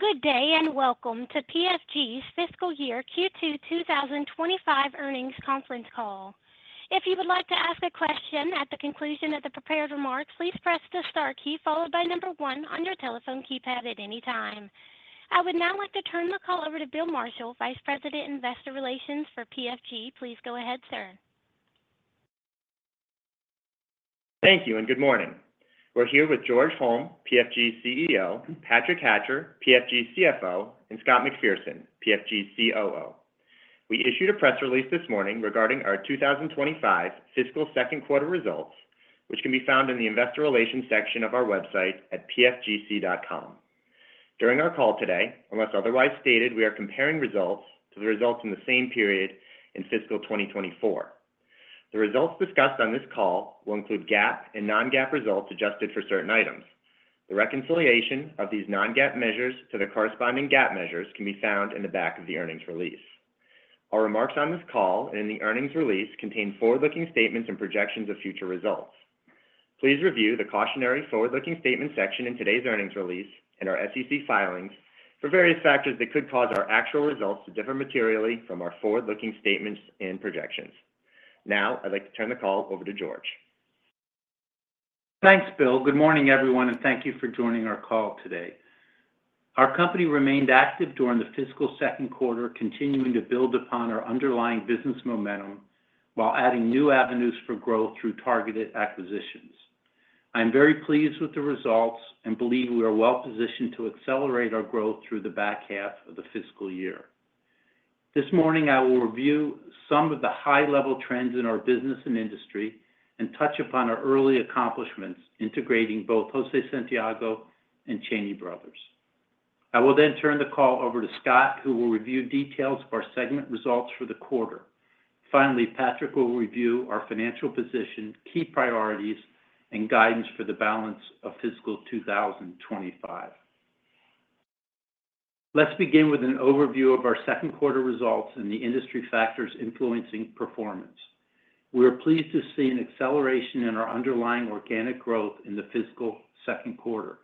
Good day and welcome to PFG's fiscal year Q2 2025 earnings conference call. If you would like to ask a question at the conclusion of the prepared remarks, please press the star key followed by number one on your telephone keypad at any time. I would now like to turn the call over to Bill Marshall, Vice President, Investor Relations for PFG. Please go ahead, sir. Thank you and good morning. We're here with George Holm, PFG CEO, Patrick Hatcher, PFG CFO, and Scott McPherson, PFG COO. We issued a press release this morning regarding our 2025 fiscal second quarter results, which can be found in the investor relations section of our website @pfgc.com. During our call today, unless otherwise stated, we are comparing results to the results in the same period in fiscal 2024. The results discussed on this call will include GAAP and Non-GAAP results adjusted for certain items. The reconciliation of these non-GAAP measures to the corresponding GAAP measures can be found in the back of the earnings release. Our remarks on this call and in the earnings release contain forward-looking statements and projections of future results. Please review the cautionary forward-looking statement section in today's earnings release and our SEC filings for various factors that could cause our actual results to differ materially from our forward-looking statements and projections. Now, I'd like to turn the call over to George. Thanks, Bill. Good morning, everyone, and thank you for joining our call today. Our company remained active during the fiscal second quarter, continuing to build upon our underlying business momentum while adding new avenues for growth through targeted acquisitions. I'm very pleased with the results and believe we are well positioned to accelerate our growth through the back half of the fiscal year. This morning, I will review some of the high-level trends in our business and industry and touch upon our early accomplishments integrating both José Santiago and Cheney Brothers. I will then turn the call over to Scott, who will review details of our segment results for the quarter. Finally, Patrick will review our financial position, key priorities, and guidance for the balance of fiscal 2025. Let's begin with an overview of our second quarter results and the industry factors influencing performance. We are pleased to see an acceleration in our underlying organic growth in the fiscal second quarter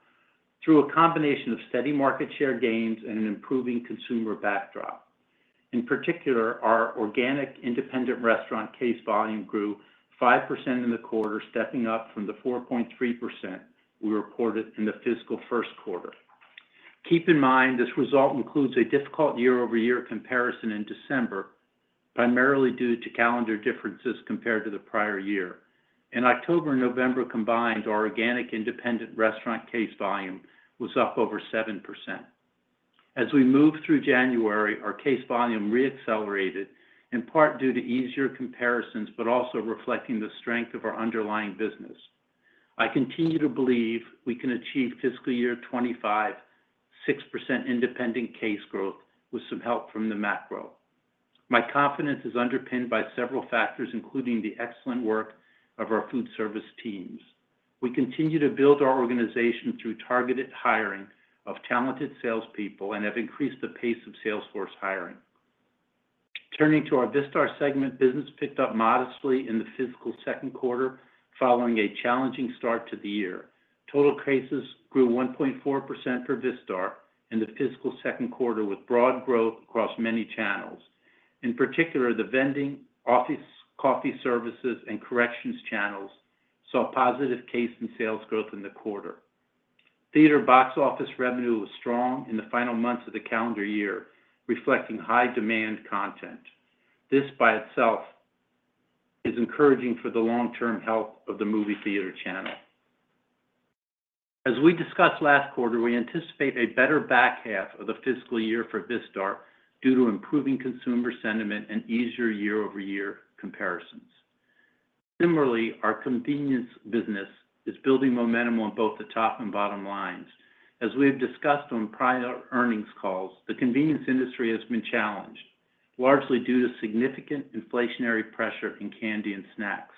through a combination of steady market share gains and an improving consumer backdrop. In particular, our organic independent restaurant case volume grew 5% in the quarter, stepping up from the 4.3% we reported in the fiscal first quarter. Keep in mind, this result includes a difficult year-over-year comparison in December, primarily due to calendar differences compared to the prior year. In October and November combined, our organic independent restaurant case volume was up over 7%. As we moved through January, our case volume re-accelerated, in part due to easier comparisons but also reflecting the strength of our underlying business. I continue to believe we can achieve fiscal year 2025 6% independent case growth with some help from the macro. My confidence is underpinned by several factors, including the excellent work of our foodservice teams. We continue to build our organization through targeted hiring of talented salespeople and have increased the pace of sales force hiring. Turning to our Vistar segment, business picked up modestly in the fiscal second quarter following a challenging start to the year. Total cases grew 1.4% for Vistar in the fiscal second quarter, with broad growth across many channels. In particular, the vending, office coffee services, and corrections channels saw positive case and sales growth in the quarter. Theater box office revenue was strong in the final months of the calendar year, reflecting high-demand content. This by itself is encouraging for the long-term health of the movie theater channel. As we discussed last quarter, we anticipate a better back half of the fiscal year for Vistar due to improving consumer sentiment and easier year-over-year comparisons. Similarly, our convenience business is building momentum on both the top and bottom lines. As we have discussed on prior earnings calls, the convenience industry has been challenged, largely due to significant inflationary pressure in candy and snacks.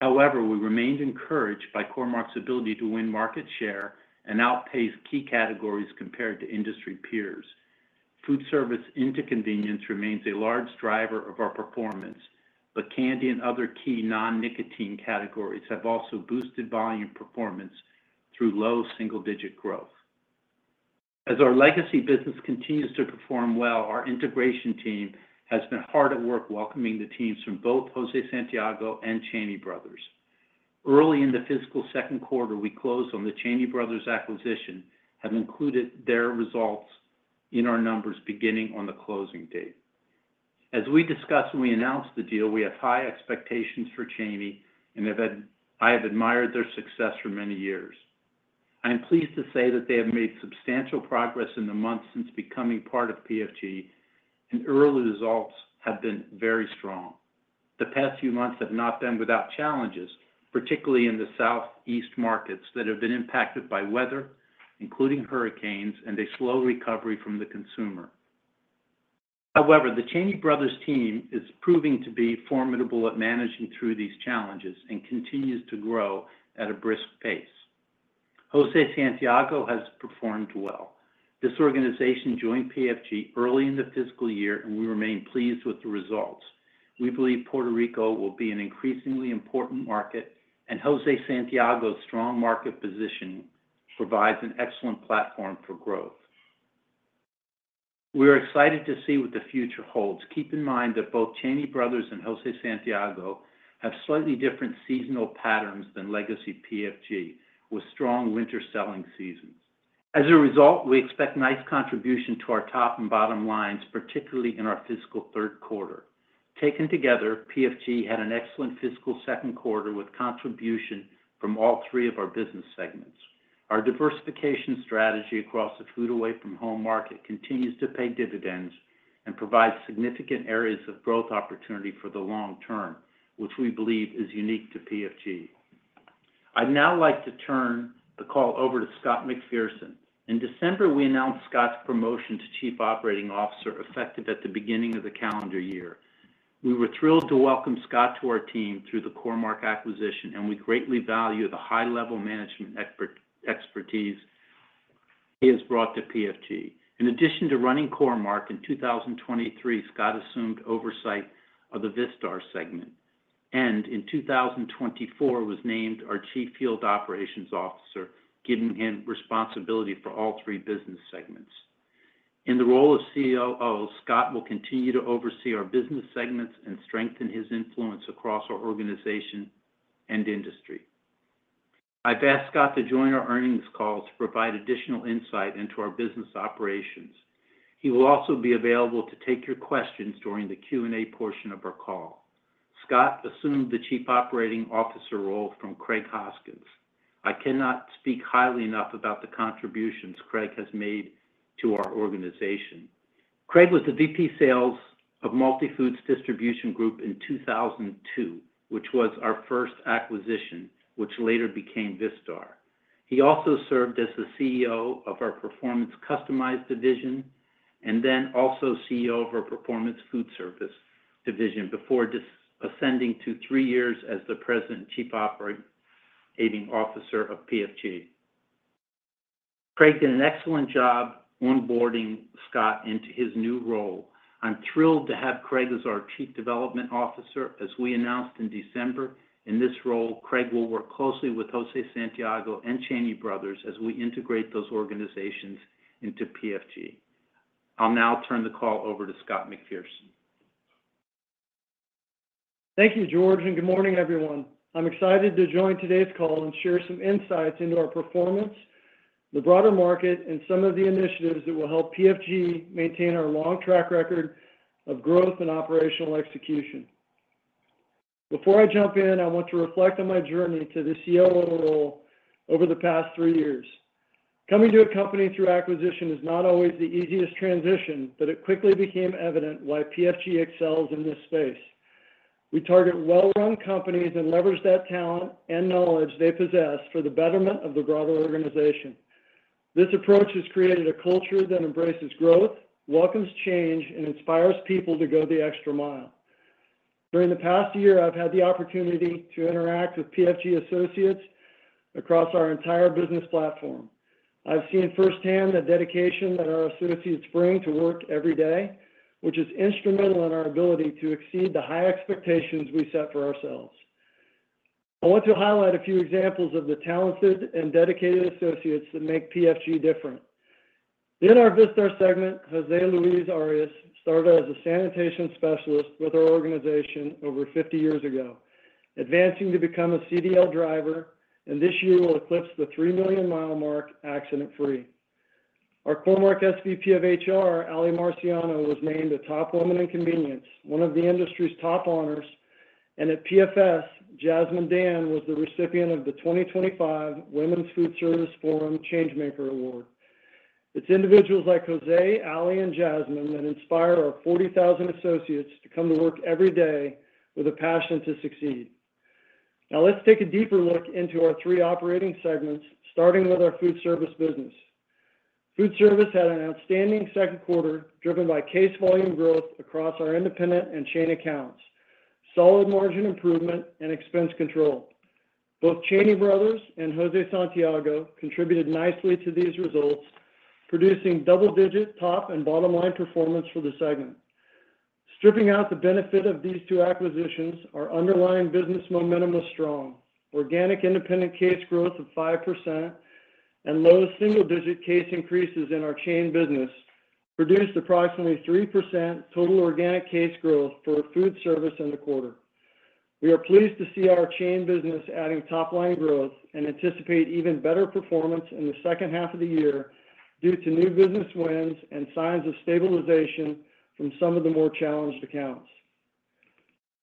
However, we remained encouraged by Core-Mark's ability to win market share and outpace key categories compared to industry peers. Foodservice into convenience remains a large driver of our performance, but candy and other key non-nicotine categories have also boosted volume performance through low single-digit growth. As our legacy business continues to perform well, our integration team has been hard at work welcoming the teams from both José Santiago and Cheney Brothers. Early in the fiscal second quarter, we closed on the Cheney Brothers acquisition, having included their results in our numbers beginning on the closing date. As we discussed when we announced the deal, we have high expectations for Cheney, and I have admired their success for many years. I am pleased to say that they have made substantial progress in the months since becoming part of PFG, and early results have been very strong. The past few months have not been without challenges, particularly in the Southeast markets that have been impacted by weather, including hurricanes, and a slow recovery from the consumer. However, the Cheney Brothers team is proving to be formidable at managing through these challenges and continues to grow at a brisk pace. José Santiago has performed well. This organization joined PFG early in the fiscal year, and we remain pleased with the results. We believe Puerto Rico will be an increasingly important market, and José Santiago's strong market position provides an excellent platform for growth. We are excited to see what the future holds. Keep in mind that both Cheney Brothers and José Santiago have slightly different seasonal patterns than legacy PFG, with strong winter selling seasons. As a result, we expect nice contribution to our top and bottom lines, particularly in our fiscal third quarter. Taken together, PFG had an excellent fiscal second quarter with contribution from all three of our business segments. Our diversification strategy across the food-away-from-home market continues to pay dividends and provides significant areas of growth opportunity for the long term, which we believe is unique to PFG. I'd now like to turn the call over to Scott McPherson. In December, we announced Scott's promotion to Chief Operating Officer effective at the beginning of the calendar year. We were thrilled to welcome Scott to our team through the Core-Mark acquisition, and we greatly value the high-level management expertise he has brought to PFG. In addition to running Core-Mark, in 2023, Scott assumed oversight of the Vistar segment and in 2024 was named our Chief Field Operations Officer, giving him responsibility for all three business segments. In the role of COO, Scott will continue to oversee our business segments and strengthen his influence across our organization and industry. I've asked Scott to join our earnings call to provide additional insight into our business operations. He will also be available to take your questions during the Q&A portion of our call. Scott assumed the Chief Operating Officer role from Craig Hoskins. I cannot speak highly enough about the contributions Craig has made to our organization. Craig was the VP, Sales of Multifoods Distribution Group in 2002, which was our first acquisition, which later became Vistar. He also served as the CEO of our Performance Customized Division and then also CEO of our Performance Foodservice Division before ascending to three years as the President Chief Operating Officer of PFG. Craig did an excellent job onboarding Scott into his new role. I'm thrilled to have Craig as our Chief Development Officer. As we announced in December, in this role, Craig will work closely with José Santiago and Cheney Brothers as we integrate those organizations into PFG. I'll now turn the call over to Scott McPherson. Thank you, George, and good morning, everyone. I'm excited to join today's call and share some insights into our performance, the broader market, and some of the initiatives that will help PFG maintain our long track record of growth and operational execution. Before I jump in, I want to reflect on my journey to the COO role over the past three years. Coming to a company through acquisition is not always the easiest transition, but it quickly became evident why PFG excels in this space. We target well-run companies and leverage that talent and knowledge they possess for the betterment of the broader organization. This approach has created a culture that embraces growth, welcomes change, and inspires people to go the extra mile. During the past year, I've had the opportunity to interact with PFG associates across our entire business platform. I've seen firsthand the dedication that our associates bring to work every day, which is instrumental in our ability to exceed the high expectations we set for ourselves. I want to highlight a few examples of the talented and dedicated associates that make PFG different. In our Vistar segment, José Luis Arias started as a sanitation specialist with our organization over 50 years ago, advancing to become a CDL driver, and this year will eclipse the 3 million-mile mark accident-free. Our Core-Mark SVP of HR, Ali Marciano, was named a Top Woman in Convenience, one of the industry's top honors, and at Performance Foodservice, Jasmin Dhanda was the recipient of the 2025 Women's Foodservice Forum Changemaker Award. It's individuals like José, Ali, and Jasmin that inspire our 40,000 associates to come to work every day with a passion to succeed. Now, let's take a deeper look into our three operating segments, starting with our foodservice business. Foodservice had an outstanding second quarter driven by case volume growth across our independent and chain accounts, solid margin improvement, and expense control. Both Cheney Brothers and José Santiago contributed nicely to these results, producing double-digit top and bottom line performance for the segment. Stripping out the benefit of these two acquisitions, our underlying business momentum was strong. Organic independent case growth of 5% and low single-digit case increases in our chain business produced approximately 3% total organic case growth for foodservice in the quarter. We are pleased to see our chain business adding top-line growth and anticipate even better performance in the second half of the year due to new business wins and signs of stabilization from some of the more challenged accounts.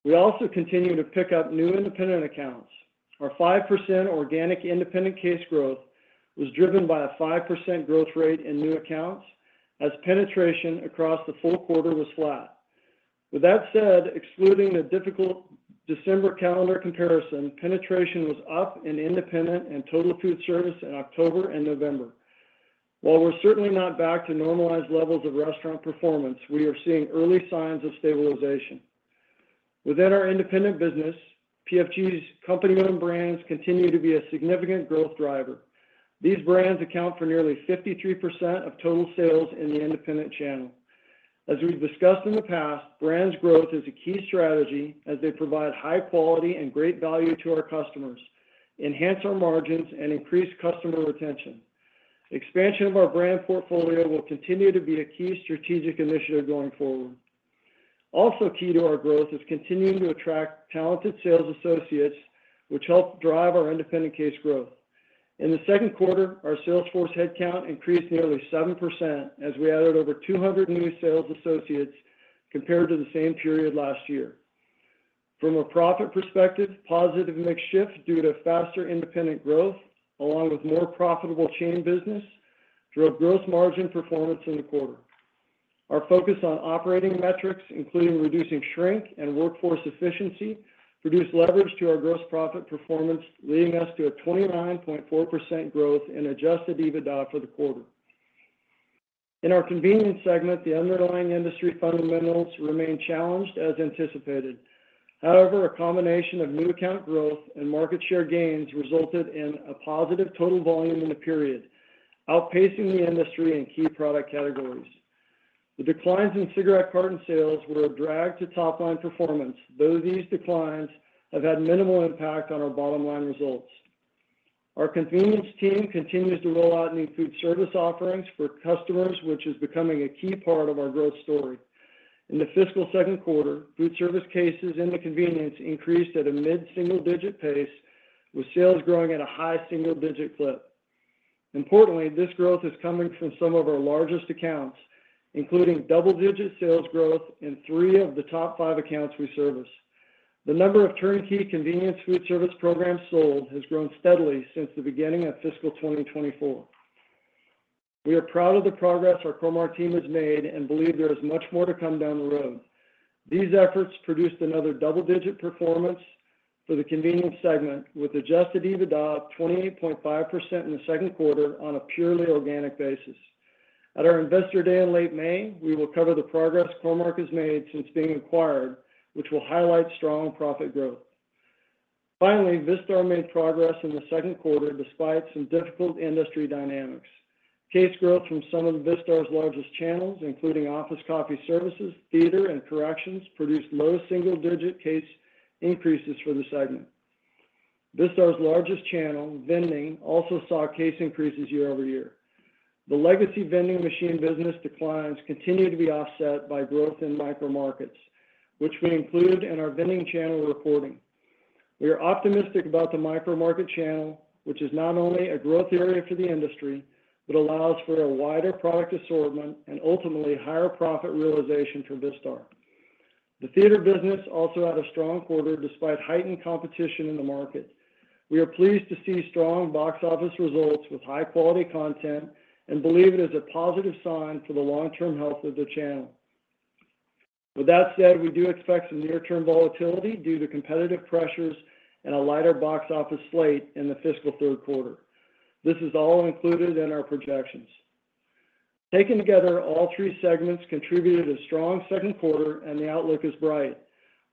We also continue to pick up new independent accounts. Our 5% organic independent case growth was driven by a 5% growth rate in new accounts as penetration across the full quarter was flat. With that said, excluding the difficult December calendar comparison, penetration was up in independent and total foodservice in October and November. While we're certainly not back to normalized levels of restaurant performance, we are seeing early signs of stabilization. Within our independent business, PFG's company-owned brands continue to be a significant growth driver. These brands account for nearly 53% of total sales in the independent channel. As we've discussed in the past, brand growth is a key strategy as they provide high quality and great value to our customers, enhance our margins, and increase customer retention. Expansion of our brand portfolio will continue to be a key strategic initiative going forward. Also key to our growth is continuing to attract talented sales associates, which helps drive our independent case growth. In the second quarter, our sales force headcount increased nearly 7% as we added over 200 new sales associates compared to the same period last year. From a profit perspective, positive mix shift due to faster independent growth, along with more profitable chain business, drove gross margin performance in the quarter. Our focus on operating metrics, including reducing shrink and workforce efficiency, produced leverage to our gross profit performance, leading us to a 29.4% growth in adjusted EBITDA for the quarter. In our convenience segment, the underlying industry fundamentals remain challenged as anticipated. However, a combination of new account growth and market share gains resulted in a positive total volume in the period, outpacing the industry in key product categories. The declines in cigarette carton sales were a drag to top-line performance, though these declines have had minimal impact on our bottom line results. Our convenience team continues to roll out new foodservice offerings for customers, which is becoming a key part of our growth story. In the fiscal second quarter, foodservice cases in the convenience increased at a mid-single-digit pace, with sales growing at a high single-digit clip. Importantly, this growth is coming from some of our largest accounts, including double-digit sales growth in three of the top five accounts we service. The number of turnkey convenience foodservice programs sold has grown steadily since the beginning of fiscal 2024. We are proud of the progress our Core-Mark team has made and believe there is much more to come down the road. These efforts produced another double-digit performance for the convenience segment, with adjusted EBITDA of 28.5% in the second quarter on a purely organic basis. At our investor day in late May, we will cover the progress Core-Mark has made since being acquired, which will highlight strong profit growth. Finally, Vistar made progress in the second quarter despite some difficult industry dynamics. Case growth from some of Vistar's largest channels, including office coffee services, theater, and corrections, produced low single-digit case increases for the segment. Vistar's largest channel, vending, also saw case increases year-over-year. The legacy vending machine business declines continue to be offset by growth in micro markets, which we include in our vending channel reporting. We are optimistic about the micro market channel, which is not only a growth area for the industry, but allows for a wider product assortment and ultimately higher profit realization for Vistar. The theater business also had a strong quarter despite heightened competition in the market. We are pleased to see strong box office results with high-quality content and believe it is a positive sign for the long-term health of the channel. With that said, we do expect some near-term volatility due to competitive pressures and a lighter box office slate in the fiscal third quarter. This is all included in our projections. Taken together, all three segments contributed to a strong second quarter, and the outlook is bright.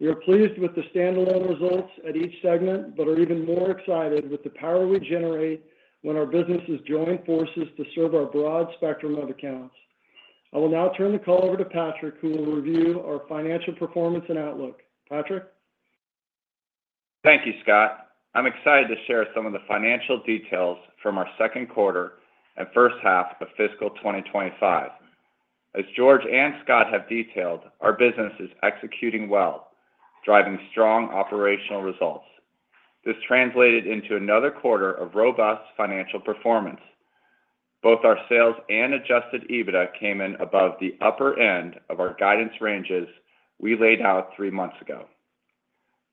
We are pleased with the standalone results at each segment, but are even more excited with the power we generate when our businesses join forces to serve our broad spectrum of accounts. I will now turn the call over to Patrick, who will review our financial performance and outlook. Patrick? Thank you, Scott. I'm excited to share some of the financial details from our second quarter and first half of fiscal 2025. As George and Scott have detailed, our business is executing well, driving strong operational results. This translated into another quarter of robust financial performance. Both our sales and adjusted EBITDA came in above the upper end of our guidance ranges we laid out three months ago.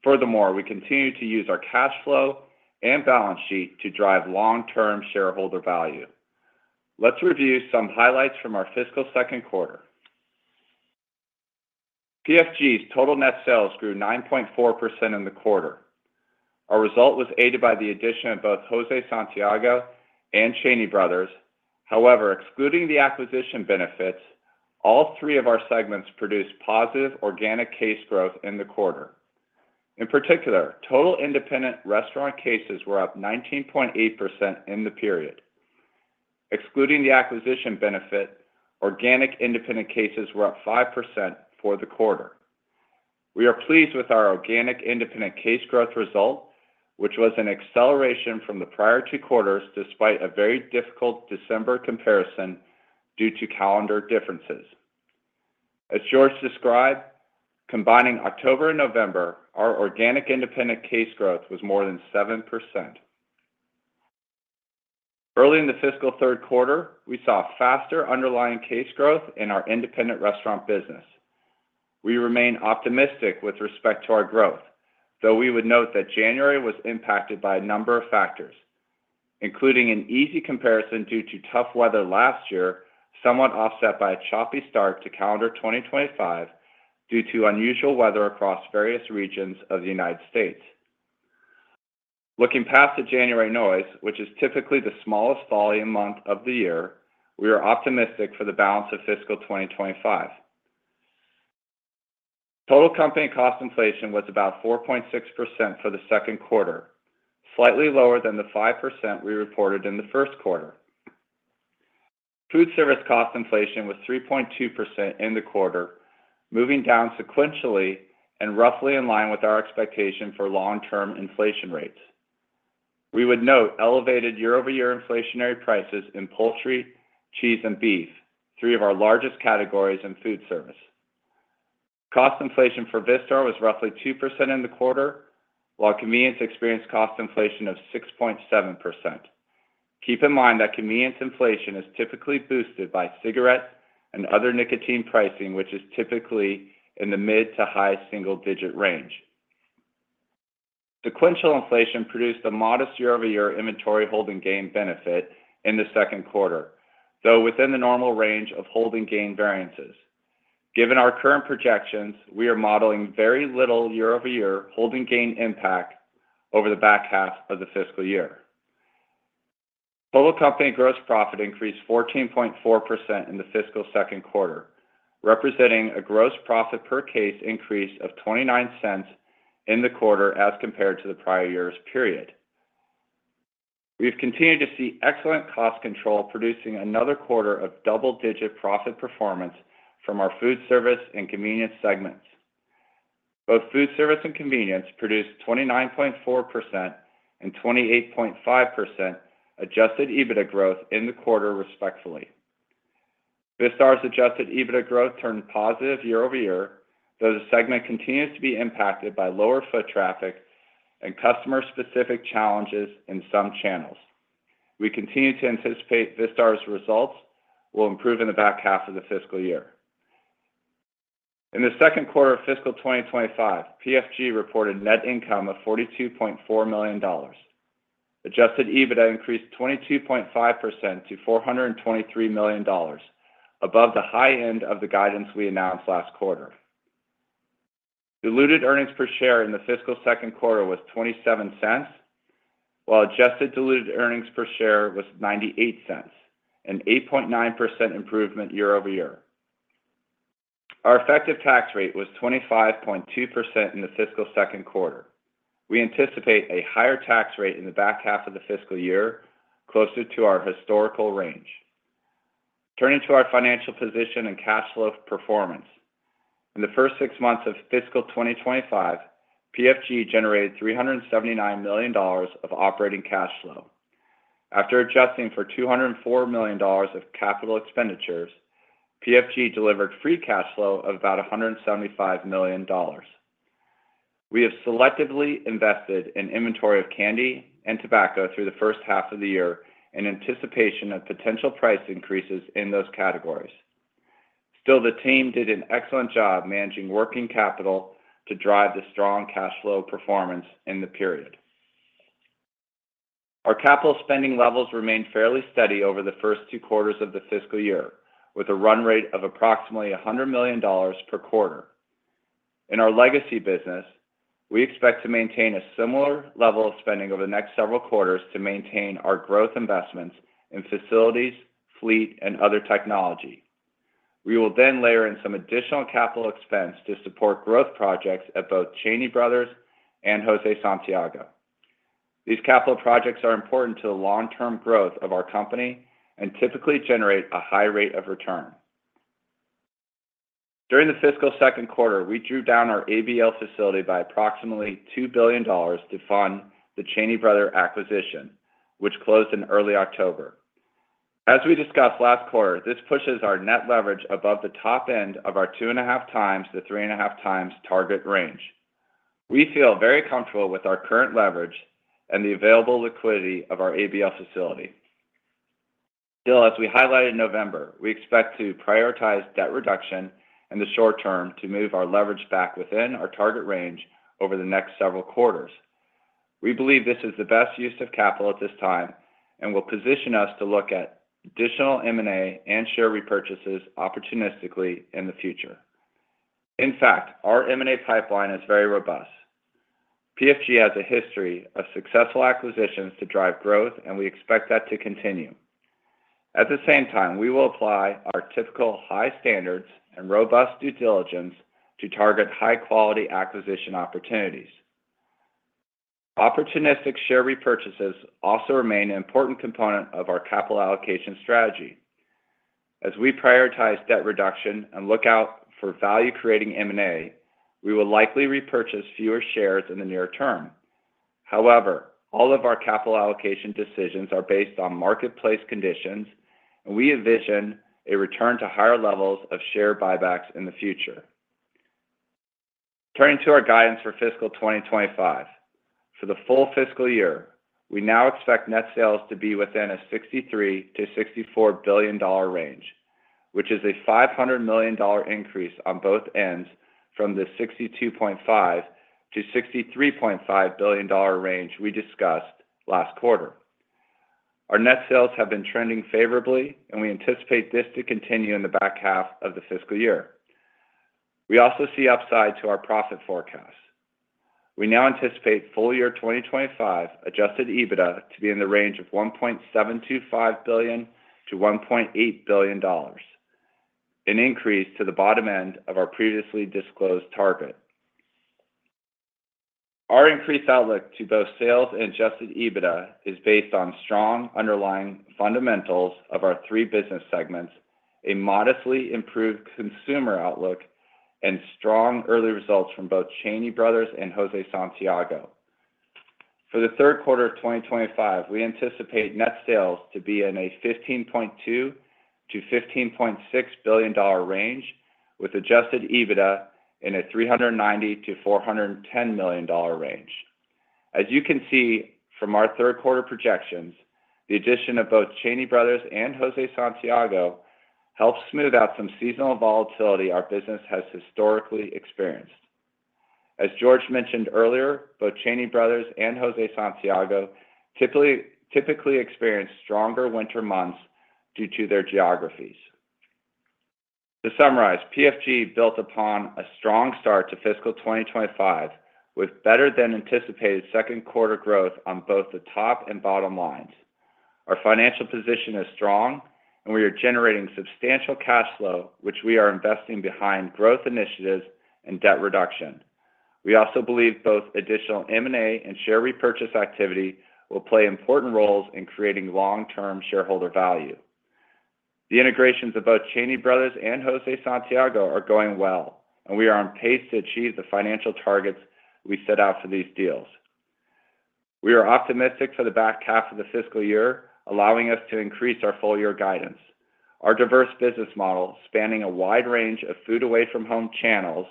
Furthermore, we continue to use our cash flow and balance sheet to drive long-term shareholder value. Let's review some highlights from our fiscal second quarter. PFG's total net sales grew 9.4% in the quarter. Our result was aided by the addition of both José Santiago and Cheney Brothers. However, excluding the acquisition benefits, all three of our segments produced positive organic case growth in the quarter. In particular, total independent restaurant cases were up 19.8% in the period. Excluding the acquisition benefit, organic independent cases were up 5% for the quarter. We are pleased with our organic independent case growth result, which was an acceleration from the prior two quarters despite a very difficult December comparison due to calendar differences. As George described, combining October and November, our organic independent case growth was more than 7%. Early in the fiscal third quarter, we saw faster underlying case growth in our independent restaurant business. We remain optimistic with respect to our growth, though we would note that January was impacted by a number of factors, including an easy comparison due to tough weather last year, somewhat offset by a choppy start to calendar 2025 due to unusual weather across various regions of the United States. Looking past the January noise, which is typically the smallest volume month of the year, we are optimistic for the balance of fiscal 2025. Total company cost inflation was about 4.6% for the second quarter, slightly lower than the 5% we reported in the first quarter. Foodservice cost inflation was 3.2% in the quarter, moving down sequentially and roughly in line with our expectation for long-term inflation rates. We would note elevated year-over-year inflationary prices in poultry, cheese, and beef, three of our largest categories in foodservice. Cost inflation for Vistar was roughly 2% in the quarter, while convenience experienced cost inflation of 6.7%. Keep in mind that convenience inflation is typically boosted by cigarette and other nicotine pricing, which is typically in the mid to high single-digit range. Sequential inflation produced a modest year-over-year inventory holding gain benefit in the second quarter, though within the normal range of holding gain variances. Given our current projections, we are modeling very little year-over-year holding gain impact over the back half of the fiscal year. Total company gross profit increased 14.4% in the fiscal second quarter, representing a gross profit per case increase of $0.29 in the quarter as compared to the prior year's period. We've continued to see excellent cost control, producing another quarter of double-digit profit performance from our foodservice and convenience segments. Both foodservice and convenience produced 29.4% and 28.5% adjusted EBITDA growth in the quarter respectively. Vistar's adjusted EBITDA growth turned positive year-over-year, though the segment continues to be impacted by lower foot traffic and customer-specific challenges in some channels. We continue to anticipate Vistar's results will improve in the back half of the fiscal year. In the second quarter of fiscal 2025, PFG reported net income of $42.4 million. Adjusted EBITDA increased 22.5% to $423 million, above the high end of the guidance we announced last quarter. Diluted earnings per share in the fiscal second quarter was $0.27, while adjusted diluted earnings per share was $0.98, an 8.9% improvement year-over-year. Our effective tax rate was 25.2% in the fiscal second quarter. We anticipate a higher tax rate in the back half of the fiscal year, closer to our historical range. Turning to our financial position and cash flow performance. In the first six months of fiscal 2025, PFG generated $379 million of operating cash flow. After adjusting for $204 million of capital expenditures, PFG delivered free cash flow of about $175 million. We have selectively invested in inventory of candy and tobacco through the first half of the year in anticipation of potential price increases in those categories. Still, the team did an excellent job managing working capital to drive the strong cash flow performance in the period. Our capital spending levels remained fairly steady over the first two quarters of the fiscal year, with a run rate of approximately $100 million per quarter. In our legacy business, we expect to maintain a similar level of spending over the next several quarters to maintain our growth investments in facilities, fleet, and other technology. We will then layer in some additional capital expense to support growth projects at both Cheney Brothers and José Santiago. These capital projects are important to the long-term growth of our company and typically generate a high rate of return. During the fiscal second quarter, we drew down our ABL facility by approximately $2 billion to fund the Cheney Brothers acquisition, which closed in early October. As we discussed last quarter, this pushes our net leverage above the top end of our two and a half times to three and a half times target range. We feel very comfortable with our current leverage and the available liquidity of our ABL facility. Still, as we highlighted in November, we expect to prioritize debt reduction in the short term to move our leverage back within our target range over the next several quarters. We believe this is the best use of capital at this time and will position us to look at additional M&A and share repurchases opportunistically in the future. In fact, our M&A pipeline is very robust. PFG has a history of successful acquisitions to drive growth, and we expect that to continue. At the same time, we will apply our typical high standards and robust due diligence to target high-quality acquisition opportunities. Opportunistic share repurchases also remain an important component of our capital allocation strategy. As we prioritize debt reduction and look out for value-creating M&A, we will likely repurchase fewer shares in the near term. However, all of our capital allocation decisions are based on marketplace conditions, and we envision a return to higher levels of share buybacks in the future. Turning to our guidance for fiscal 2025, for the full fiscal year, we now expect net sales to be within a $63 billion-$64 billion range, which is a $500 million increase on both ends from the $62.5 billion-$63.5 billion range we discussed last quarter. Our net sales have been trending favorably, and we anticipate this to continue in the back half of the fiscal year. We also see upside to our profit forecast. We now anticipate full year 2025 adjusted EBITDA to be in the range of $1.725 billion-$1.8 billion, an increase to the bottom end of our previously disclosed target. Our increased outlook to both sales and adjusted EBITDA is based on strong underlying fundamentals of our three business segments, a modestly improved consumer outlook, and strong early results from both Cheney Brothers and José Santiago. For the third quarter of 2025, we anticipate net sales to be in a $15.2 billion-$15.6 billion range, with adjusted EBITDA in a $390 million-$410 million range. As you can see from our third quarter projections, the addition of both Cheney Brothers and José Santiago helps smooth out some seasonal volatility our business has historically experienced. As George mentioned earlier, both Cheney Brothers and José Santiago typically experience stronger winter months due to their geographies. To summarize, PFG built upon a strong start to fiscal 2025 with better-than-anticipated second quarter growth on both the top and bottom lines. Our financial position is strong, and we are generating substantial cash flow, which we are investing behind growth initiatives and debt reduction. We also believe both additional M&A and share repurchase activity will play important roles in creating long-term shareholder value. The integrations of both Cheney Brothers and José Santiago are going well, and we are on pace to achieve the financial targets we set out for these deals. We are optimistic for the back half of the fiscal year, allowing us to increase our full-year guidance. Our diverse business model, spanning a wide range of food-away-from-home channels,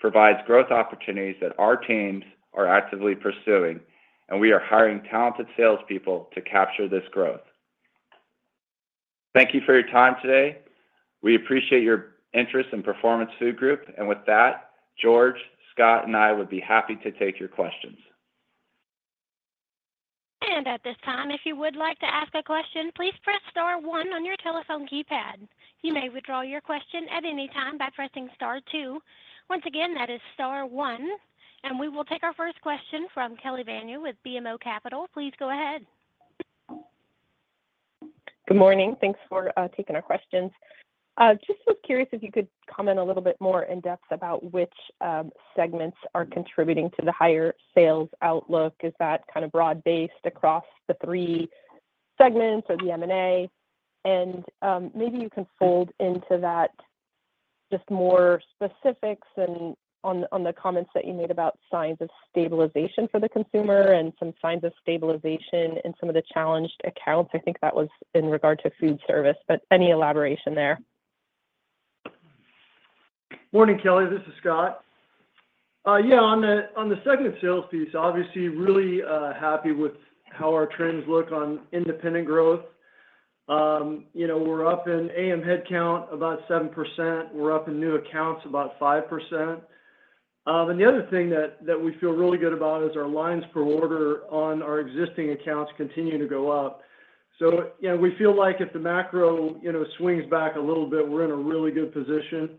provides growth opportunities that our teams are actively pursuing, and we are hiring talented salespeople to capture this growth. Thank you for your time today. We appreciate your interest in Performance Food Group, and with that, George, Scott, and I would be happy to take your questions. At this time, if you would like to ask a question, please press star one on your telephone keypad. You may withdraw your question at any time by pressing star two. Once again, that is star one, and we will take our first question from Kelly Bania with BMO Capital. Please go ahead. Good morning. Thanks for taking our questions. Just was curious if you could comment a little bit more in depth about which segments are contributing to the higher sales outlook. Is that kind of broad-based across the three segments or the M&A? And maybe you can fold into that just more specifics on the comments that you made about signs of stabilization for the consumer and some signs of stabilization in some of the challenged accounts. I think that was in regard to foodservice, but any elaboration there? Morning, Kelly. This is Scott. Yeah, on the segment sales piece, obviously really happy with how our trends look on independent growth. We're up in AM headcount about 7%. We're up in new accounts about 5%. And the other thing that we feel really good about is our lines per order on our existing accounts continue to go up. So we feel like if the macro swings back a little bit, we're in a really good position.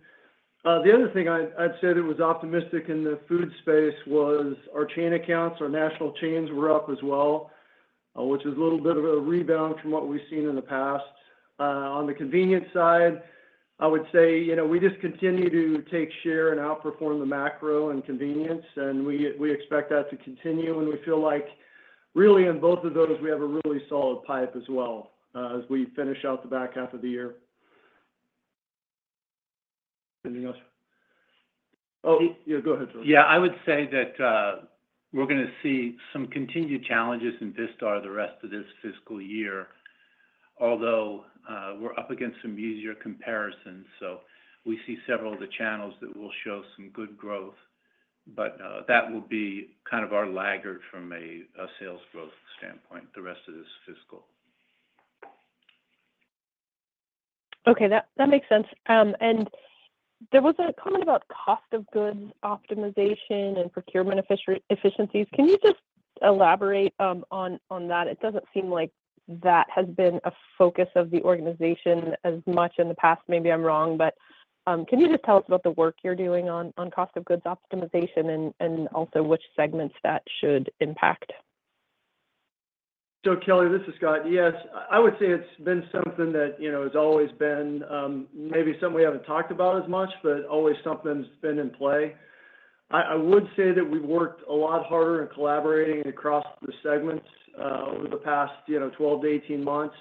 The other thing I'd say that was optimistic in the food space was our chain accounts, our national chains were up as well, which was a little bit of a rebound from what we've seen in the past. On the convenience side, I would say we just continue to take share and outperform the macro and convenience, and we expect that to continue. We feel like really in both of those, we have a really solid pipe as well as we finish out the back half of the year. Anything else? Oh, yeah, go ahead, George. Yeah, I would say that we're going to see some continued challenges in Vistar the rest of this fiscal year, although we're up against some easier comparisons. So we see several of the channels that will show some good growth, but that will be kind of our laggard from a sales growth standpoint the rest of this fiscal. Okay, that makes sense. And there was a comment about cost of goods optimization and procurement efficiencies. Can you just elaborate on that? It doesn't seem like that has been a focus of the organization as much in the past. Maybe I'm wrong, but can you just tell us about the work you're doing on cost of goods optimization and also which segments that should impact? So Kelly, this is Scott. Yes, I would say it's been something that has always been maybe something we haven't talked about as much, but always something that's been in play. I would say that we've worked a lot harder in collaborating across the segments over the past 12-18 months,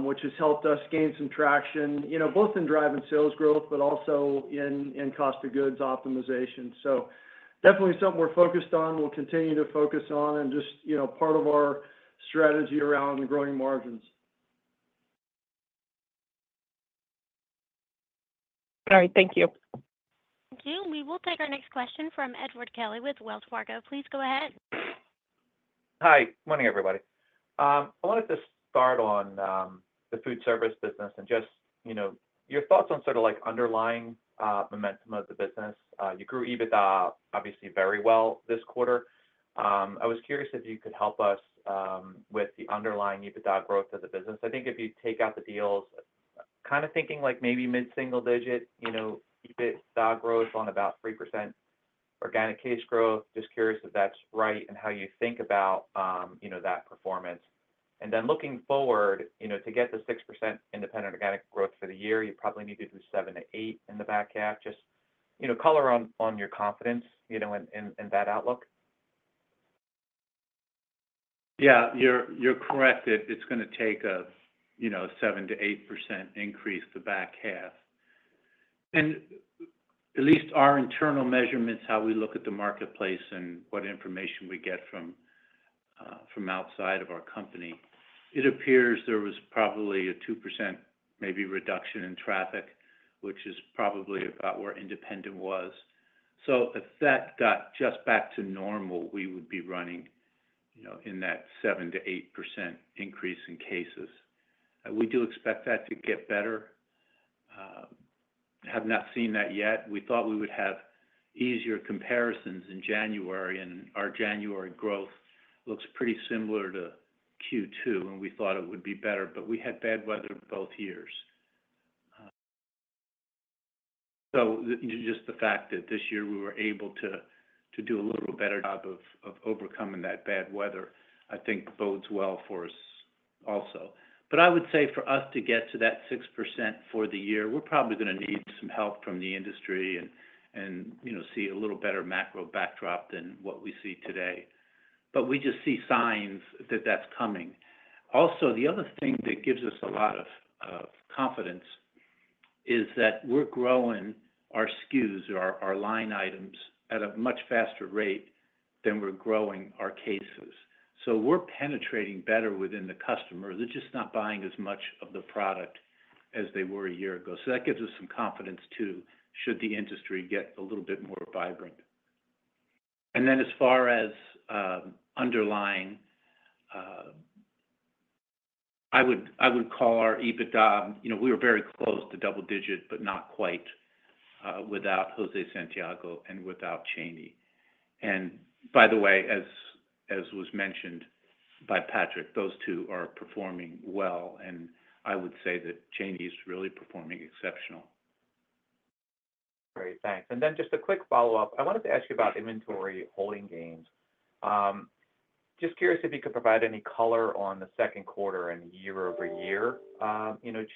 which has helped us gain some traction both in driving sales growth, but also in cost of goods optimization. So definitely something we're focused on, we'll continue to focus on, and just part of our strategy around growing margins. All right, thank you. Thank you. We will take our next question from Edward Kelly with Wells Fargo. Please go ahead. Hi, morning, everybody. I wanted to start on the foodservice business and just your thoughts on sort of underlying momentum of the business. You grew EBITDA, obviously, very well this quarter. I was curious if you could help us with the underlying EBITDA growth of the business. I think if you take out the deals, kind of thinking maybe mid-single-digit EBITDA growth on about 3% organic case growth, just curious if that's right and how you think about that performance. And then looking forward to get the 6% independent organic growth for the year, you probably need to do 7%-8% in the back half. Just color on your confidence in that outlook. Yeah, you're correct. It's going to take a 7%-8% increase in the back half and at least our internal measurements, how we look at the marketplace and what information we get from outside of our company, it appears there was probably a 2%, maybe, reduction in traffic, which is probably about where independent was, so if that got just back to normal, we would be running in that 7%-8% increase in cases. We do expect that to get better. Have not seen that yet. We thought we would have easier comparisons in January, and our January growth looks pretty similar to Q2, and we thought it would be better, but we had bad weather both years so just the fact that this year we were able to do a little better job of overcoming that bad weather, I think bodes well for us also. But I would say for us to get to that 6% for the year, we're probably going to need some help from the industry and see a little better macro backdrop than what we see today. But we just see signs that that's coming. Also, the other thing that gives us a lot of confidence is that we're growing our SKUs, our line items at a much faster rate than we're growing our cases. So we're penetrating better within the customer. They're just not buying as much of the product as they were a year ago. So that gives us some confidence too should the industry get a little bit more vibrant. And then as far as underlying, I would call our EBITDA, we were very close to double-digit, but not quite without José Santiago and without Cheney. By the way, as was mentioned by Patrick, those two are performing well, and I would say that Cheney is really performing exceptional. Great, thanks. And then just a quick follow-up. I wanted to ask you about inventory holding gains. Just curious if you could provide any color on the second quarter and year-over-year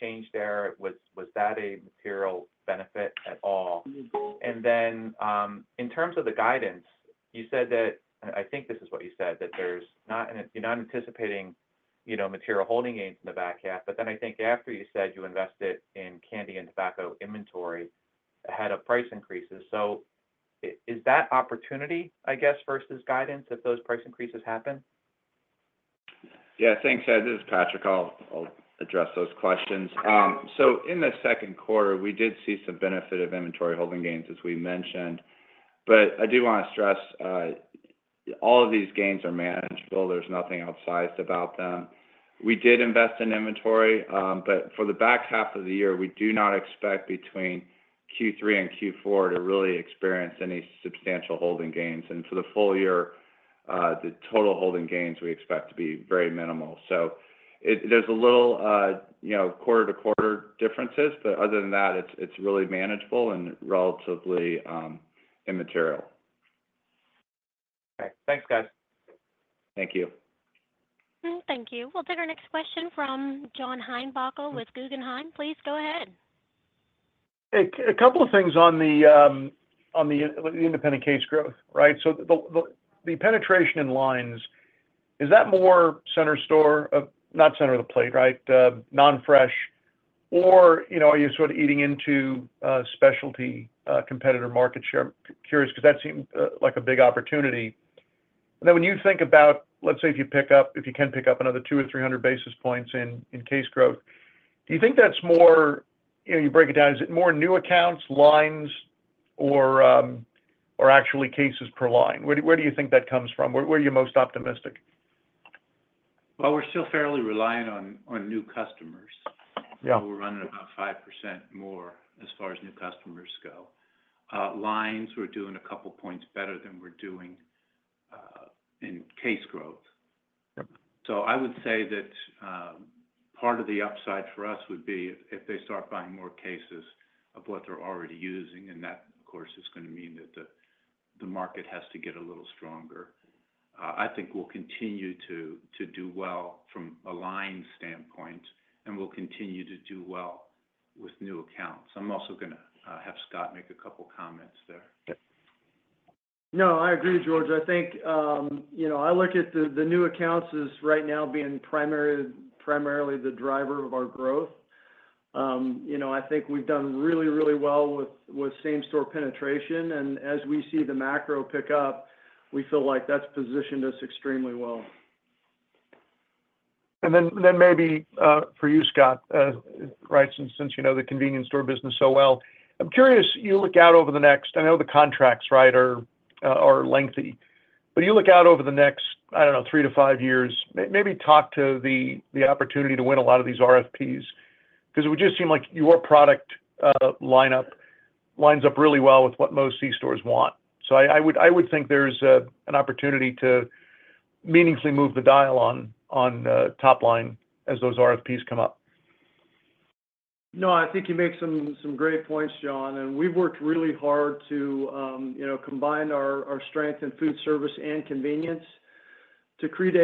change there. Was that a material benefit at all? And then in terms of the guidance, you said that, and I think this is what you said, that you're not anticipating material holding gains in the back half, but then I think after you said you invested in candy and tobacco inventory ahead of price increases. So is that opportunity, I guess, versus guidance if those price increases happen? Yeah, thanks, Ed. This is Patrick. I'll address those questions. So in the second quarter, we did see some benefit of inventory holding gains, as we mentioned, but I do want to stress all of these gains are manageable. There's nothing outsized about them. We did invest in inventory, but for the back half of the year, we do not expect between Q3 and Q4 to really experience any substantial holding gains. And for the full year, the total holding gains we expect to be very minimal. So there's a little quarter-to-quarter differences, but other than that, it's really manageable and relatively immaterial. All right, thanks, guys. Thank you. Thank you. We'll take our next question from John Heinbockel with Guggenheim. Please go ahead. A couple of things on the independent case growth, right? So the penetration in lines, is that more center store or not center of the plate, right? Non-fresh, or are you sort of eating into specialty competitor market share? Curious because that seemed like a big opportunity. And then when you think about, let's say, if you pick up, if you can pick up another two or 300 basis points in case growth, do you think that's more you break it down, is it more new accounts, lines, or actually cases per line? Where do you think that comes from? Where are you most optimistic? We're still fairly reliant on new customers. We're running about 5% more as far as new customers go. Lines, we're doing a couple points better than we're doing in case growth. So I would say that part of the upside for us would be if they start buying more cases of what they're already using, and that, of course, is going to mean that the market has to get a little stronger. I think we'll continue to do well from a line standpoint, and we'll continue to do well with new accounts. I'm also going to have Scott make a couple of comments there. No, I agree, George. I think I look at the new accounts as right now being primarily the driver of our growth. I think we've done really, really well with same-store penetration, and as we see the macro pick up, we feel like that's positioned us extremely well. And then, maybe for you, Scott, right? Since you know the convenience store business so well, I'm curious. You look out over the next. I know the contracts, right, are lengthy, but you look out over the next. I don't know, three to five years. Maybe talk to the opportunity to win a lot of these RFPs because it would just seem like your product lineup lines up really well with what most C-stores want. So I would think there's an opportunity to meaningfully move the dial on top line as those RFPs come up. No, I think you make some great points, John, and we've worked really hard to combine our strength in foodservice and convenience to create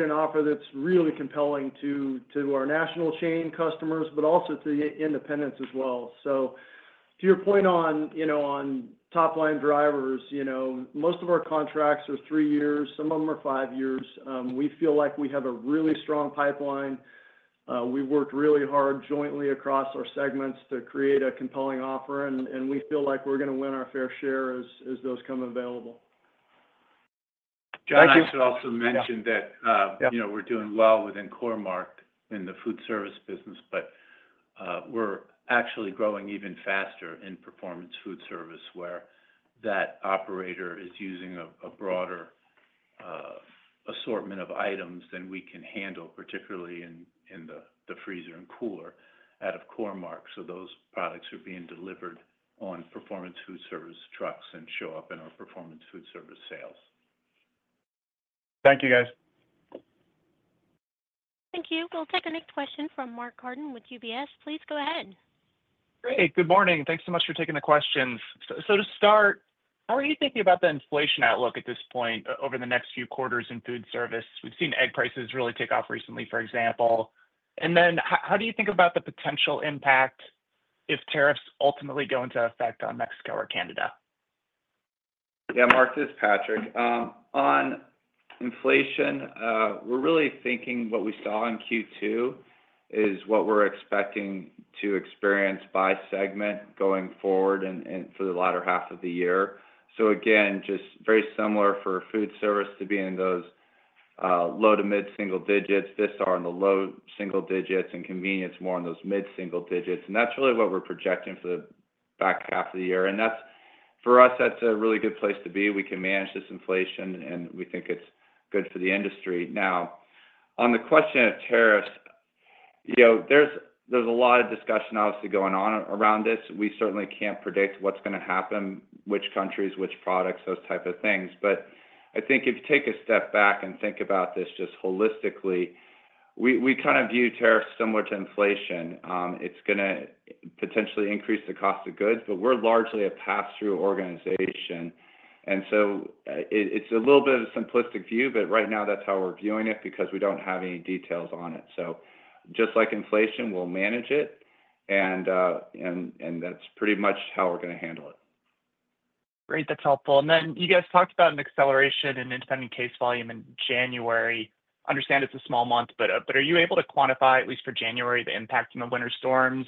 an offer that's really compelling to our national chain customers, but also to the independents as well. So to your point on top-line drivers, most of our contracts are three years. Some of them are five years. We feel like we have a really strong pipeline. We've worked really hard jointly across our segments to create a compelling offer, and we feel like we're going to win our fair share as those come available. John, I should also mention that we're doing well within Core-Mark in the foodservice business, but we're actually growing even faster in Performance Foodservice where that operator is using a broader assortment of items than we can handle, particularly in the freezer and cooler out of Core-Mark. So those products are being delivered on Performance Foodservice trucks and show up in our Performance Foodservice sales. Thank you, guys. Thank you. We'll take the next question from Mark Carden with UBS. Please go ahead. Great. Good morning. Thanks so much for taking the questions. So to start, how are you thinking about the inflation outlook at this point over the next few quarters in foodservice? We've seen egg prices really take off recently, for example. And then how do you think about the potential impact if tariffs ultimately go into effect on Mexico or Canada? Yeah, Mark, this is Patrick. On inflation, we're really thinking what we saw in Q2 is what we're expecting to experience by segment going forward and for the latter half of the year. So again, just very similar for Foodservice to be in those low to mid-single digits, Vistar in the low single digits, and convenience more in those mid-single digits. And that's really what we're projecting for the back half of the year. And for us, that's a really good place to be. We can manage this inflation, and we think it's good for the industry. Now, on the question of tariffs, there's a lot of discussion, obviously, going on around this. We certainly can't predict what's going to happen, which countries, which products, those type of things. But I think if you take a step back and think about this just holistically, we kind of view tariffs similar to inflation. It's going to potentially increase the cost of goods, but we're largely a pass-through organization. And so it's a little bit of a simplistic view, but right now, that's how we're viewing it because we don't have any details on it. So just like inflation, we'll manage it, and that's pretty much how we're going to handle it. Great. That's helpful. And then you guys talked about an acceleration in independent case volume in January. Understand it's a small month, but are you able to quantify, at least for January, the impact in the winter storms?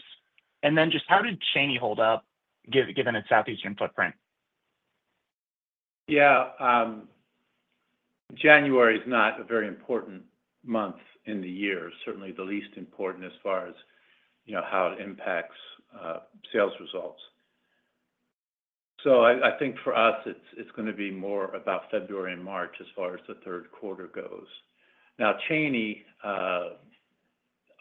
And then just how did Cheney hold up, given its Southeastern footprint? Yeah. January is not a very important month in the year, certainly the least important as far as how it impacts sales results. So I think for us, it's going to be more about February and March as far as the third quarter goes. Now, Cheney,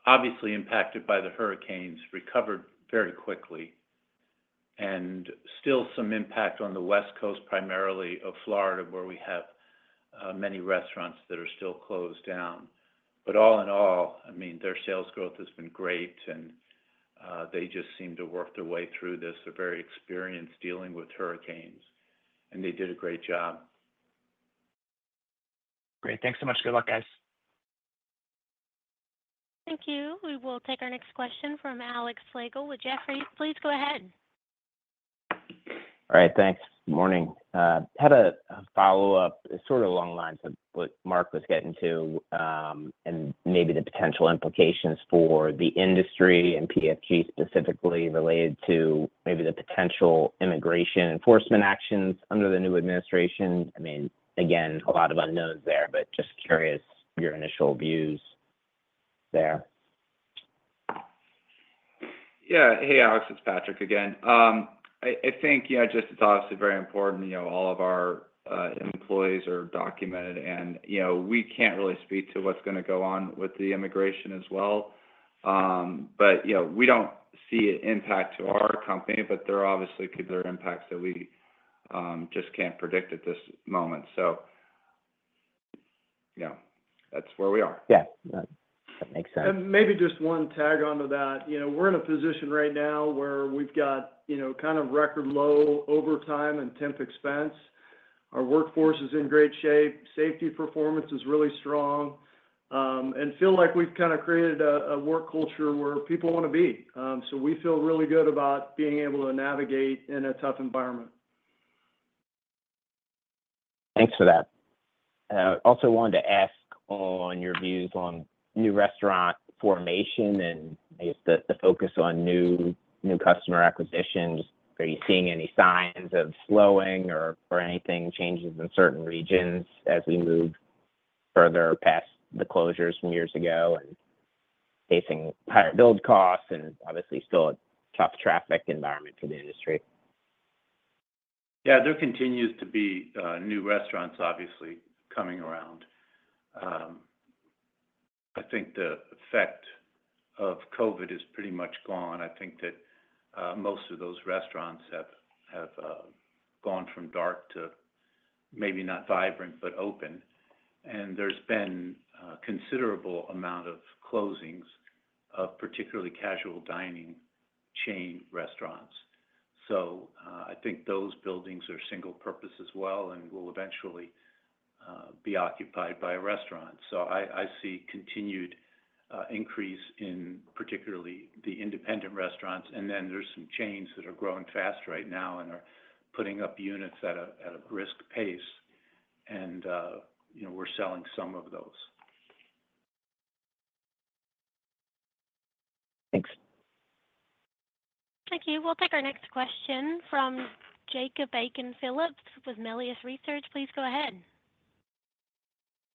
obviously impacted by the hurricanes, recovered very quickly, and still some impact on the West Coast, primarily of Florida, where we have many restaurants that are still closed down. But all in all, I mean, their sales growth has been great, and they just seem to work their way through this. They're very experienced dealing with hurricanes, and they did a great job. Great. Thanks so much. Good luck, guys. Thank you. We will take our next question from Alex Slagle with Jefferies. Please go ahead. All right, thanks. Good morning. Had a follow-up. It's sort of along the lines of what Mark was getting to and maybe the potential implications for the industry and PFG specifically related to maybe the potential immigration enforcement actions under the new administration. I mean, again, a lot of unknowns there, but just curious your initial views there. Yeah. Hey, Alex. It's Patrick again. I think just it's obviously very important. All of our employees are documented, and we can't really speak to what's going to go on with the immigration as well. But we don't see it impact our company, but there obviously could be impacts that we just can't predict at this moment. So that's where we are. Yeah. That makes sense. And maybe just one tack onto that. We're in a position right now where we've got kind of record low overtime and temp expense. Our workforce is in great shape. Safety performance is really strong. And we feel like we've kind of created a work culture where people want to be. So we feel really good about being able to navigate in a tough environment. Thanks for that. I also wanted to ask on your views on new restaurant formation and the focus on new customer acquisitions. Are you seeing any signs of slowing or anything changes in certain regions as we move further past the closures from years ago and facing higher build costs and obviously still a tough traffic environment for the industry? Yeah. There continues to be new restaurants, obviously, coming around. I think the effect of COVID is pretty much gone. I think that most of those restaurants have gone from dark to maybe not vibrant, but open. And there's been a considerable amount of closings of particularly casual dining chain restaurants. So I think those buildings are single-purpose as well and will eventually be occupied by a restaurant. So I see continued increase in particularly the independent restaurants. And then there's some chains that are growing fast right now and are putting up units at a brisk pace, and we're selling some of those. Thanks. Thank you. We'll take our next question from Jacob Aiken-Phillips with Melius Research. Please go ahead.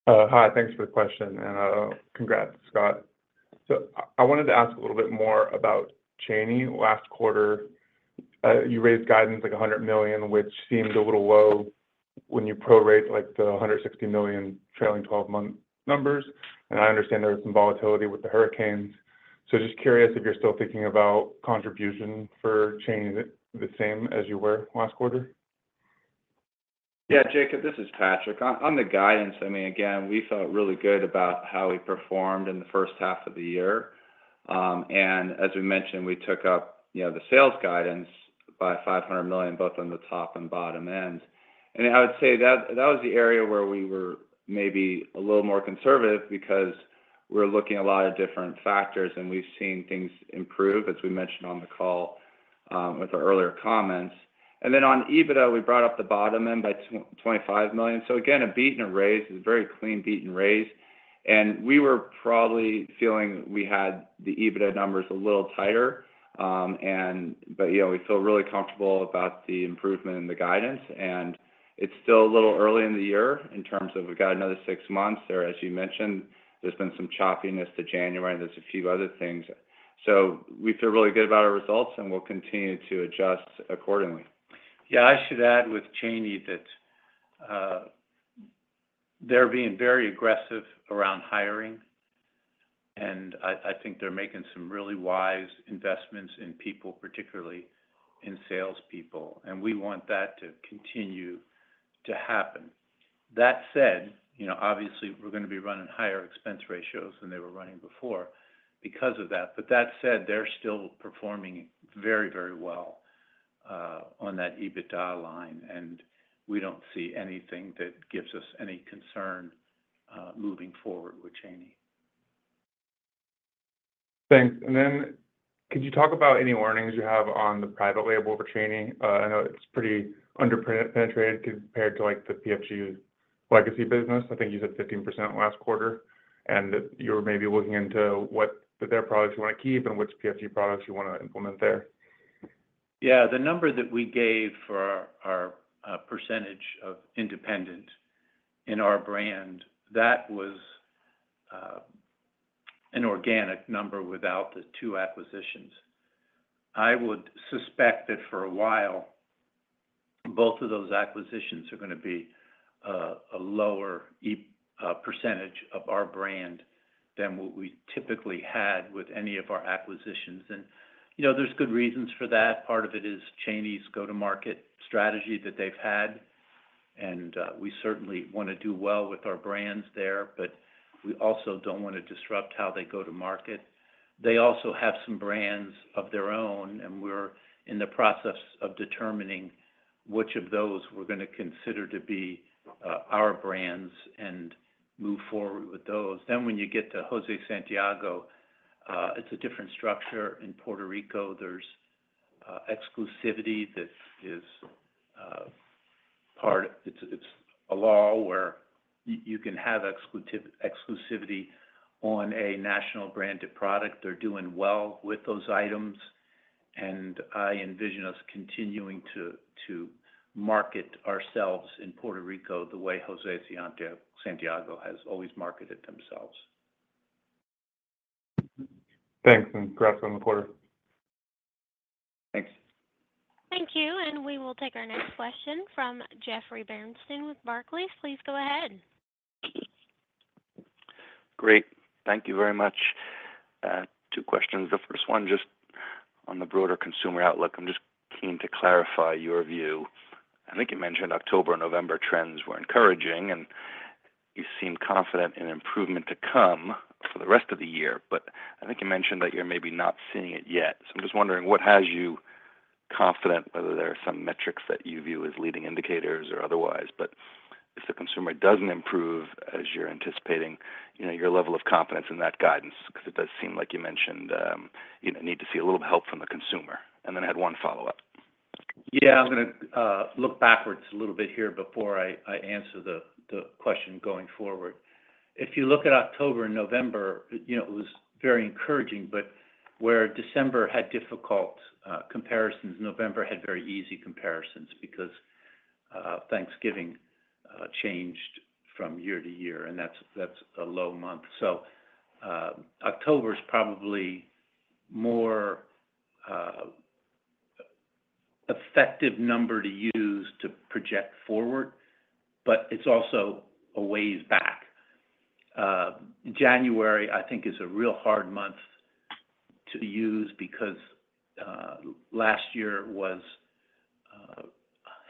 Hi. Thanks for the question, and congrats, Scott. So I wanted to ask a little bit more about Cheney. Last quarter, you raised guidance like $100 million, which seemed a little low when you prorate the $160 million trailing 12-month numbers. And I understand there was some volatility with the hurricanes. So just curious if you're still thinking about contribution for Cheney the same as you were last quarter? Yeah, Jacob, this is Patrick. On the guidance, I mean, again, we felt really good about how we performed in the first half of the year. And as we mentioned, we took up the sales guidance by $500 million, both on the top and bottom end. And I would say that was the area where we were maybe a little more conservative because we're looking at a lot of different factors, and we've seen things improve, as we mentioned on the call with our earlier comments. And then on EBITDA, we brought up the bottom end by $25 million. So again, a beat and a raise. It was a very clean beat and raise. And we were probably feeling we had the EBITDA numbers a little tighter, but we feel really comfortable about the improvement in the guidance. And it's still a little early in the year in terms of we've got another six months there. As you mentioned, there's been some choppiness to January. There's a few other things. So we feel really good about our results, and we'll continue to adjust accordingly. Yeah. I should add with Cheney that they're being very aggressive around hiring, and I think they're making some really wise investments in people, particularly in salespeople. And we want that to continue to happen. That said, obviously, we're going to be running higher expense ratios than they were running before because of that. But that said, they're still performing very, very well on that EBITDA line, and we don't see anything that gives us any concern moving forward with Cheney. Thanks. And then could you talk about any earnings you have on the private label for Cheney? I know it's pretty underpenetrated compared to the PFG legacy business. I think you said 15% last quarter, and you're maybe looking into what their products you want to keep and which PFG products you want to implement there. Yeah. The number that we gave for our percentage of independent in our brand, that was an organic number without the two acquisitions. I would suspect that for a while, both of those acquisitions are going to be a lower percentage of our brand than what we typically had with any of our acquisitions, and there's good reasons for that. Part of it is Cheney’s go-to-market strategy that they've had, and we certainly want to do well with our brands there, but we also don't want to disrupt how they go to market. They also have some brands of their own, and we're in the process of determining which of those we're going to consider to be our brands and move forward with those, then when you get to José Santiago, it's a different structure. In Puerto Rico, there's exclusivity that is part of it. It's a law where you can have exclusivity on a national branded product. They're doing well with those items, and I envision us continuing to market ourselves in Puerto Rico the way José Santiago has always marketed themselves. Thanks. And congrats on the quarter. Thanks. Thank you. And we will take our next question from Jeffrey Bernstein with Barclays. Please go ahead. Great. Thank you very much. Two questions. The first one, just on the broader consumer outlook, I'm just keen to clarify your view. I think you mentioned October and November trends were encouraging, and you seem confident in improvement to come for the rest of the year. But I think you mentioned that you're maybe not seeing it yet. So I'm just wondering, what has you confident, whether there are some metrics that you view as leading indicators or otherwise? But if the consumer doesn't improve, as you're anticipating, your level of confidence in that guidance, because it does seem like you mentioned you need to see a little help from the consumer. And then I had one follow-up. Yeah. I'm going to look backwards a little bit here before I answer the question going forward. If you look at October and November, it was very encouraging, but where December had difficult comparisons, November had very easy comparisons because Thanksgiving changed from year-to-year, and that's a low month. So October is probably a more effective number to use to project forward, but it's also a ways back. January, I think, is a real hard month to use because last year was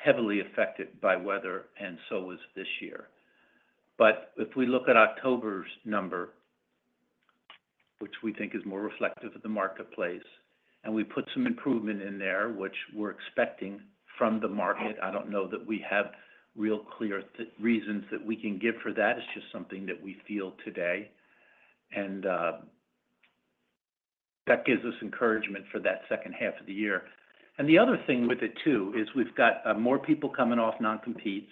heavily affected by weather, and so was this year. But if we look at October's number, which we think is more reflective of the marketplace, and we put some improvement in there, which we're expecting from the market, I don't know that we have real clear reasons that we can give for that. It's just something that we feel today, and that gives us encouragement for that second half of the year, and the other thing with it, too, is we've got more people coming off non-competes.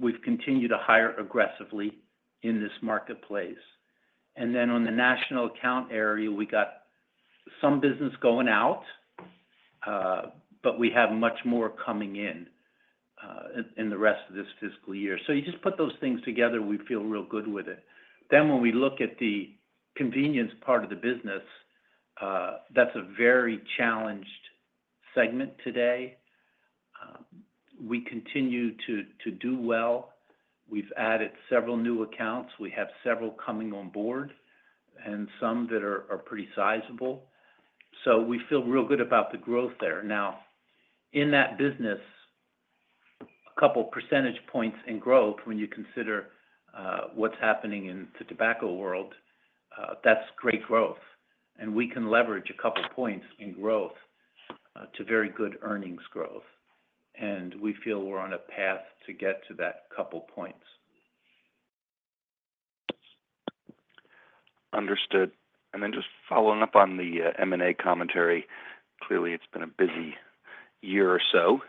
We've continued to hire aggressively in this marketplace, and then on the national account area, we got some business going out, but we have much more coming in in the rest of this fiscal year, so you just put those things together, we feel real good with it, then when we look at the convenience part of the business, that's a very challenged segment today. We continue to do well. We've added several new accounts. We have several coming on board and some that are pretty sizable, so we feel real good about the growth there. Now, in that business, a couple of percentage points in growth when you consider what's happening in the tobacco world, that's great growth. And we can leverage a couple of points in growth to very good earnings growth. And we feel we're on a path to get to that couple of points. Understood. And then just following up on the M&A commentary, clearly it's been a busy year or so.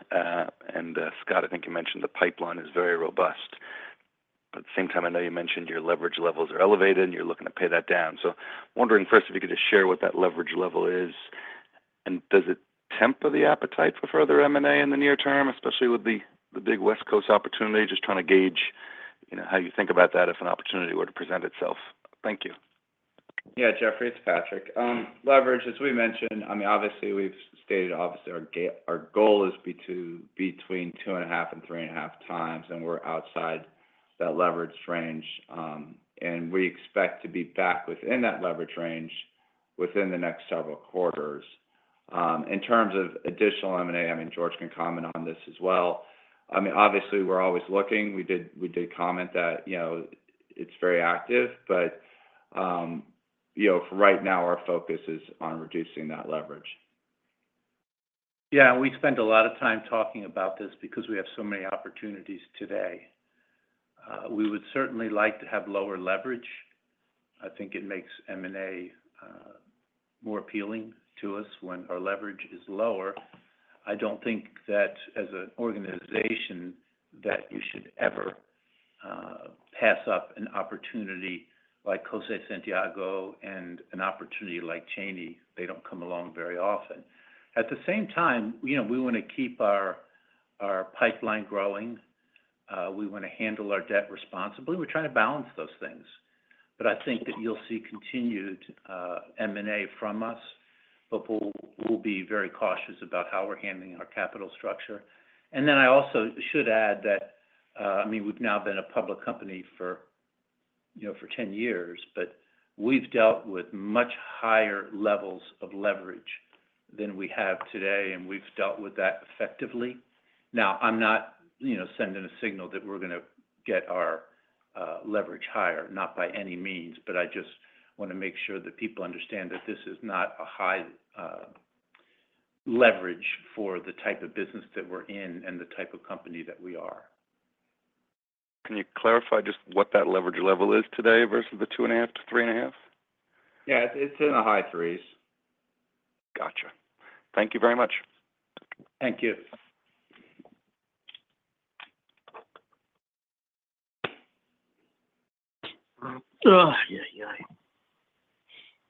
And Scott, I think you mentioned the pipeline is very robust. But at the same time, I know you mentioned your leverage levels are elevated, and you're looking to pay that down. So wondering first if you could just share what that leverage level is, and does it temper the appetite for further M&A in the near term, especially with the big West Coast opportunity? Just trying to gauge how you think about that if an opportunity were to present itself. Thank you. Yeah, Jeffrey, it's Patrick. Leverage, as we mentioned, I mean, obviously, we've stated obviously our goal is between two and a half and three and a half times, and we're outside that leverage range. We expect to be back within that leverage range within the next several quarters. In terms of additional M&A, I mean, George can comment on this as well. I mean, obviously, we're always looking. We did comment that it's very active, but for right now, our focus is on reducing that leverage. Yeah. We spent a lot of time talking about this because we have so many opportunities today. We would certainly like to have lower leverage. I think it makes M&A more appealing to us when our leverage is lower. I don't think that as an organization that you should ever pass up an opportunity like José Santiago and an opportunity like Cheney. They don't come along very often. At the same time, we want to keep our pipeline growing. We want to handle our debt responsibly. We're trying to balance those things. But I think that you'll see continued M&A from us, but we'll be very cautious about how we're handling our capital structure. And then I also should add that, I mean, we've now been a public company for 10 years, but we've dealt with much higher levels of leverage than we have today, and we've dealt with that effectively. Now, I'm not sending a signal that we're going to get our leverage higher, not by any means, but I just want to make sure that people understand that this is not a high leverage for the type of business that we're in and the type of company that we are. Can you clarify just what that leverage level is today versus the 2.5-3.5? Yeah. It's in the high threes. Gotcha. Thank you very much. Thank you. Hello.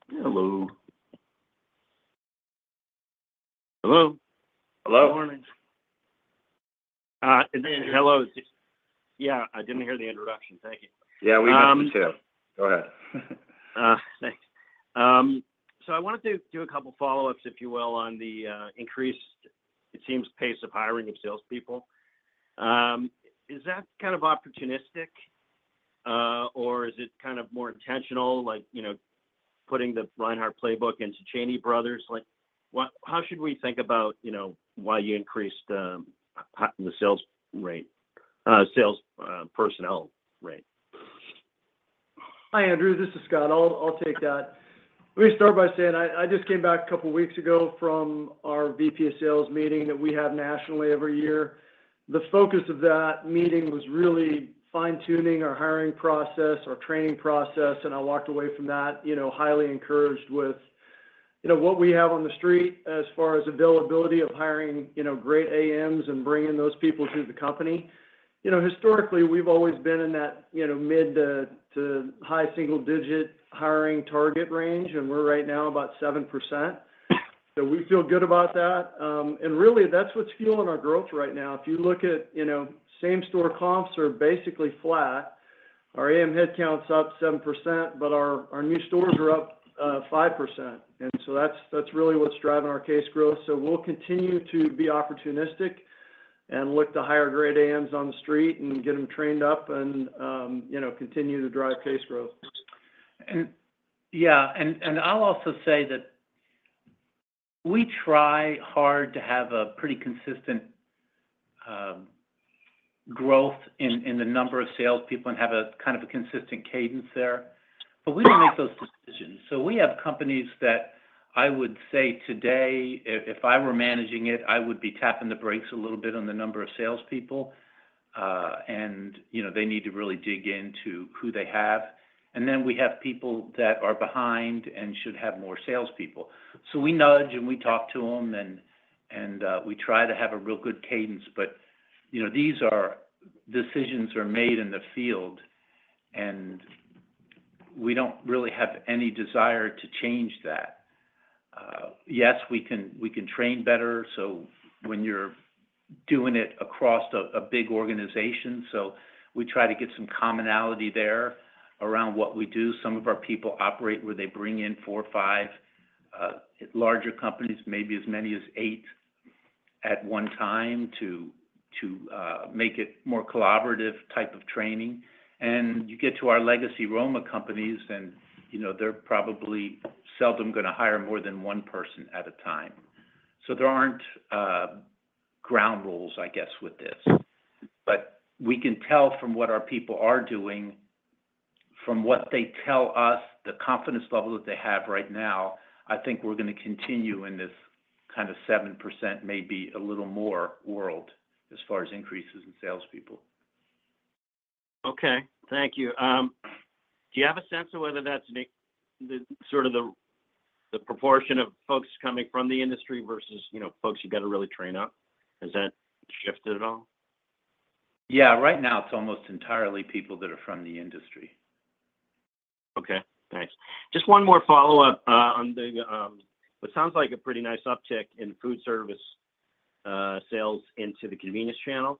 Hello. Hello. Good morning. Hello. Yeah. I didn't hear the introduction. Thank you. Yeah. We missed you too. Go ahead. Thanks. So I wanted to do a couple of follow-ups, if you will, on the increased, it seems, pace of hiring of salespeople. Is that kind of opportunistic, or is it kind of more intentional, like putting the Reinhart playbook into Cheney Brothers? How should we think about why you increased the sales rate, sales personnel rate? Hi, Andrew. This is Scott. I'll take that. Let me start by saying I just came back a couple of weeks ago from our VP of Sales meeting that we have nationally every year. The focus of that meeting was really fine-tuning our hiring process, our training process, and I walked away from that highly encouraged with what we have on the street as far as availability of hiring great AMs and bringing those people to the company. Historically, we've always been in that mid to high single-digit hiring target range, and we're right now about 7%. So we feel good about that. And really, that's what's fueling our growth right now. If you look at same-store comps are basically flat. Our AM headcount's up 7%, but our new stores are up 5%. And so that's really what's driving our case growth. So we'll continue to be opportunistic and look to hire great AMs on the street and get them trained up and continue to drive case growth. Yeah. And I'll also say that we try hard to have a pretty consistent growth in the number of salespeople and have a kind of a consistent cadence there. But we don't make those decisions. So we have companies that I would say today, if I were managing it, I would be tapping the brakes a little bit on the number of salespeople, and they need to really dig into who they have. And then we have people that are behind and should have more salespeople. So we nudge, and we talk to them, and we try to have a real good cadence. But these are decisions that are made in the field, and we don't really have any desire to change that. Yes, we can train better. So when you're doing it across a big organization, so we try to get some commonality there around what we do. Some of our people operate where they bring in four or five larger companies, maybe as many as eight at one time to make it more collaborative type of training, and you get to our legacy Roma companies, and they're probably seldom going to hire more than one person at a time, so there aren't ground rules, I guess, with this, but we can tell from what our people are doing, from what they tell us, the confidence level that they have right now, I think we're going to continue in this kind of 7%, maybe a little more world as far as increases in salespeople. Okay. Thank you. Do you have a sense of whether that's sort of the proportion of folks coming from the industry versus folks you've got to really train up? Has that shifted at all? Yeah. Right now, it's almost entirely people that are from the industry. Okay. Thanks. Just one more follow-up on what sounds like a pretty nice uptick in foodservice sales into the convenience channel.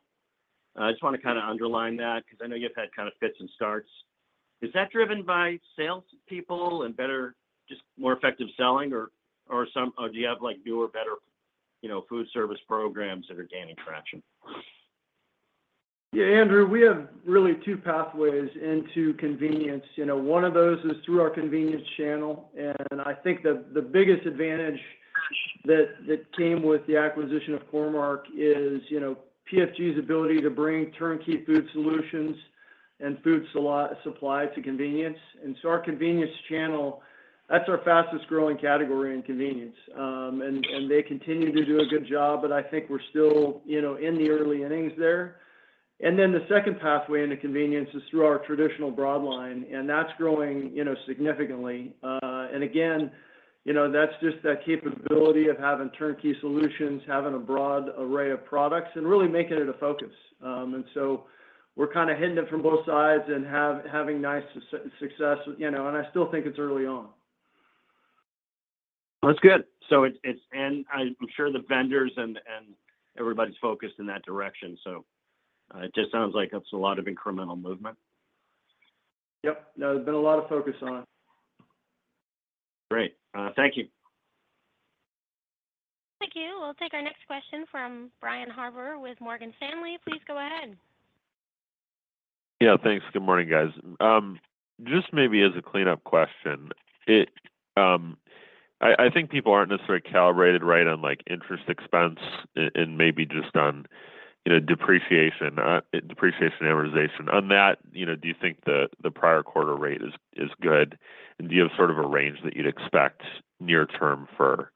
I just want to kind of underline that because I know you've had kind of fits and starts. Is that driven by salespeople and just more effective selling, or do you have newer, better foodservice programs that are gaining traction? Yeah. Andrew, we have really two pathways into convenience. One of those is through our convenience channel. And I think the biggest advantage that came with the acquisition of Core-Mark is PFG's ability to bring turnkey food solutions and food supply to convenience. And so our convenience channel, that's our fastest-growing category in convenience. And they continue to do a good job, but I think we're still in the early innings there. And then the second pathway into convenience is through our traditional broadline, and that's growing significantly. And again, that's just that capability of having turnkey solutions, having a broad array of products, and really making it a focus. And so we're kind of hitting it from both sides and having nice success. And I still think it's early on. That's good, and I'm sure the vendors and everybody's focused in that direction, so it just sounds like it's a lot of incremental movement. Yep. No, there's been a lot of focus on it. Great. Thank you. Thank you. We'll take our next question from Brian Harbour with Morgan Stanley. Please go ahead. Yeah. Thanks. Good morning, guys. Just maybe as a cleanup question, I think people aren't necessarily calibrated right on interest expense and maybe just on depreciation amortization. On that, do you think the prior quarter rate is good? And do you have sort of a range that you'd expect near-term for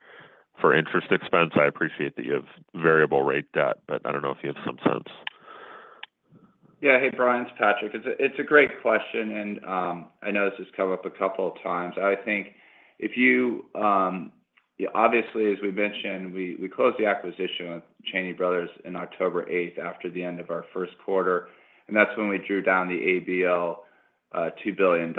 interest expense? I appreciate that you have variable rate debt, but I don't know if you have some sense. Yeah. Hey, Brian. It's Patrick. It's a great question, and I know this has come up a couple of times. I think if you obviously, as we mentioned, we closed the acquisition with Cheney Brothers on October 8th after the end of our first quarter, and that's when we drew down the ABL $2 billion.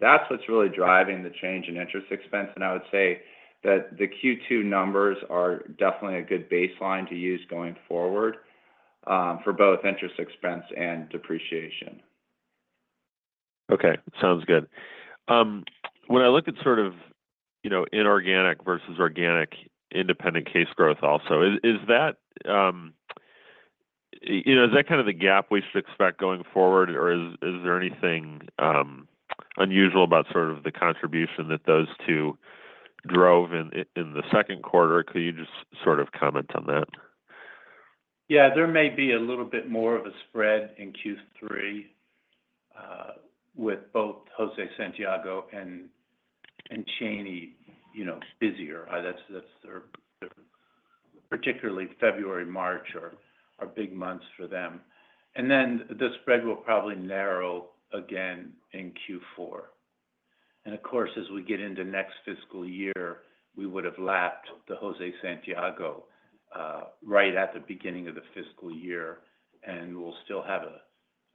That's what's really driving the change in interest expense. And I would say that the Q2 numbers are definitely a good baseline to use going forward for both interest expense and depreciation. Okay. Sounds good. When I look at sort of inorganic versus organic independent case growth also, is that kind of the gap we should expect going forward, or is there anything unusual about sort of the contribution that those two drove in the second quarter? Could you just sort of comment on that? Yeah. There may be a little bit more of a spread in Q3 with both José Santiago and Cheney busier. That's particularly February, March are big months for them. And then the spread will probably narrow again in Q4. And of course, as we get into next fiscal year, we would have lapped the José Santiago right at the beginning of the fiscal year, and we'll still have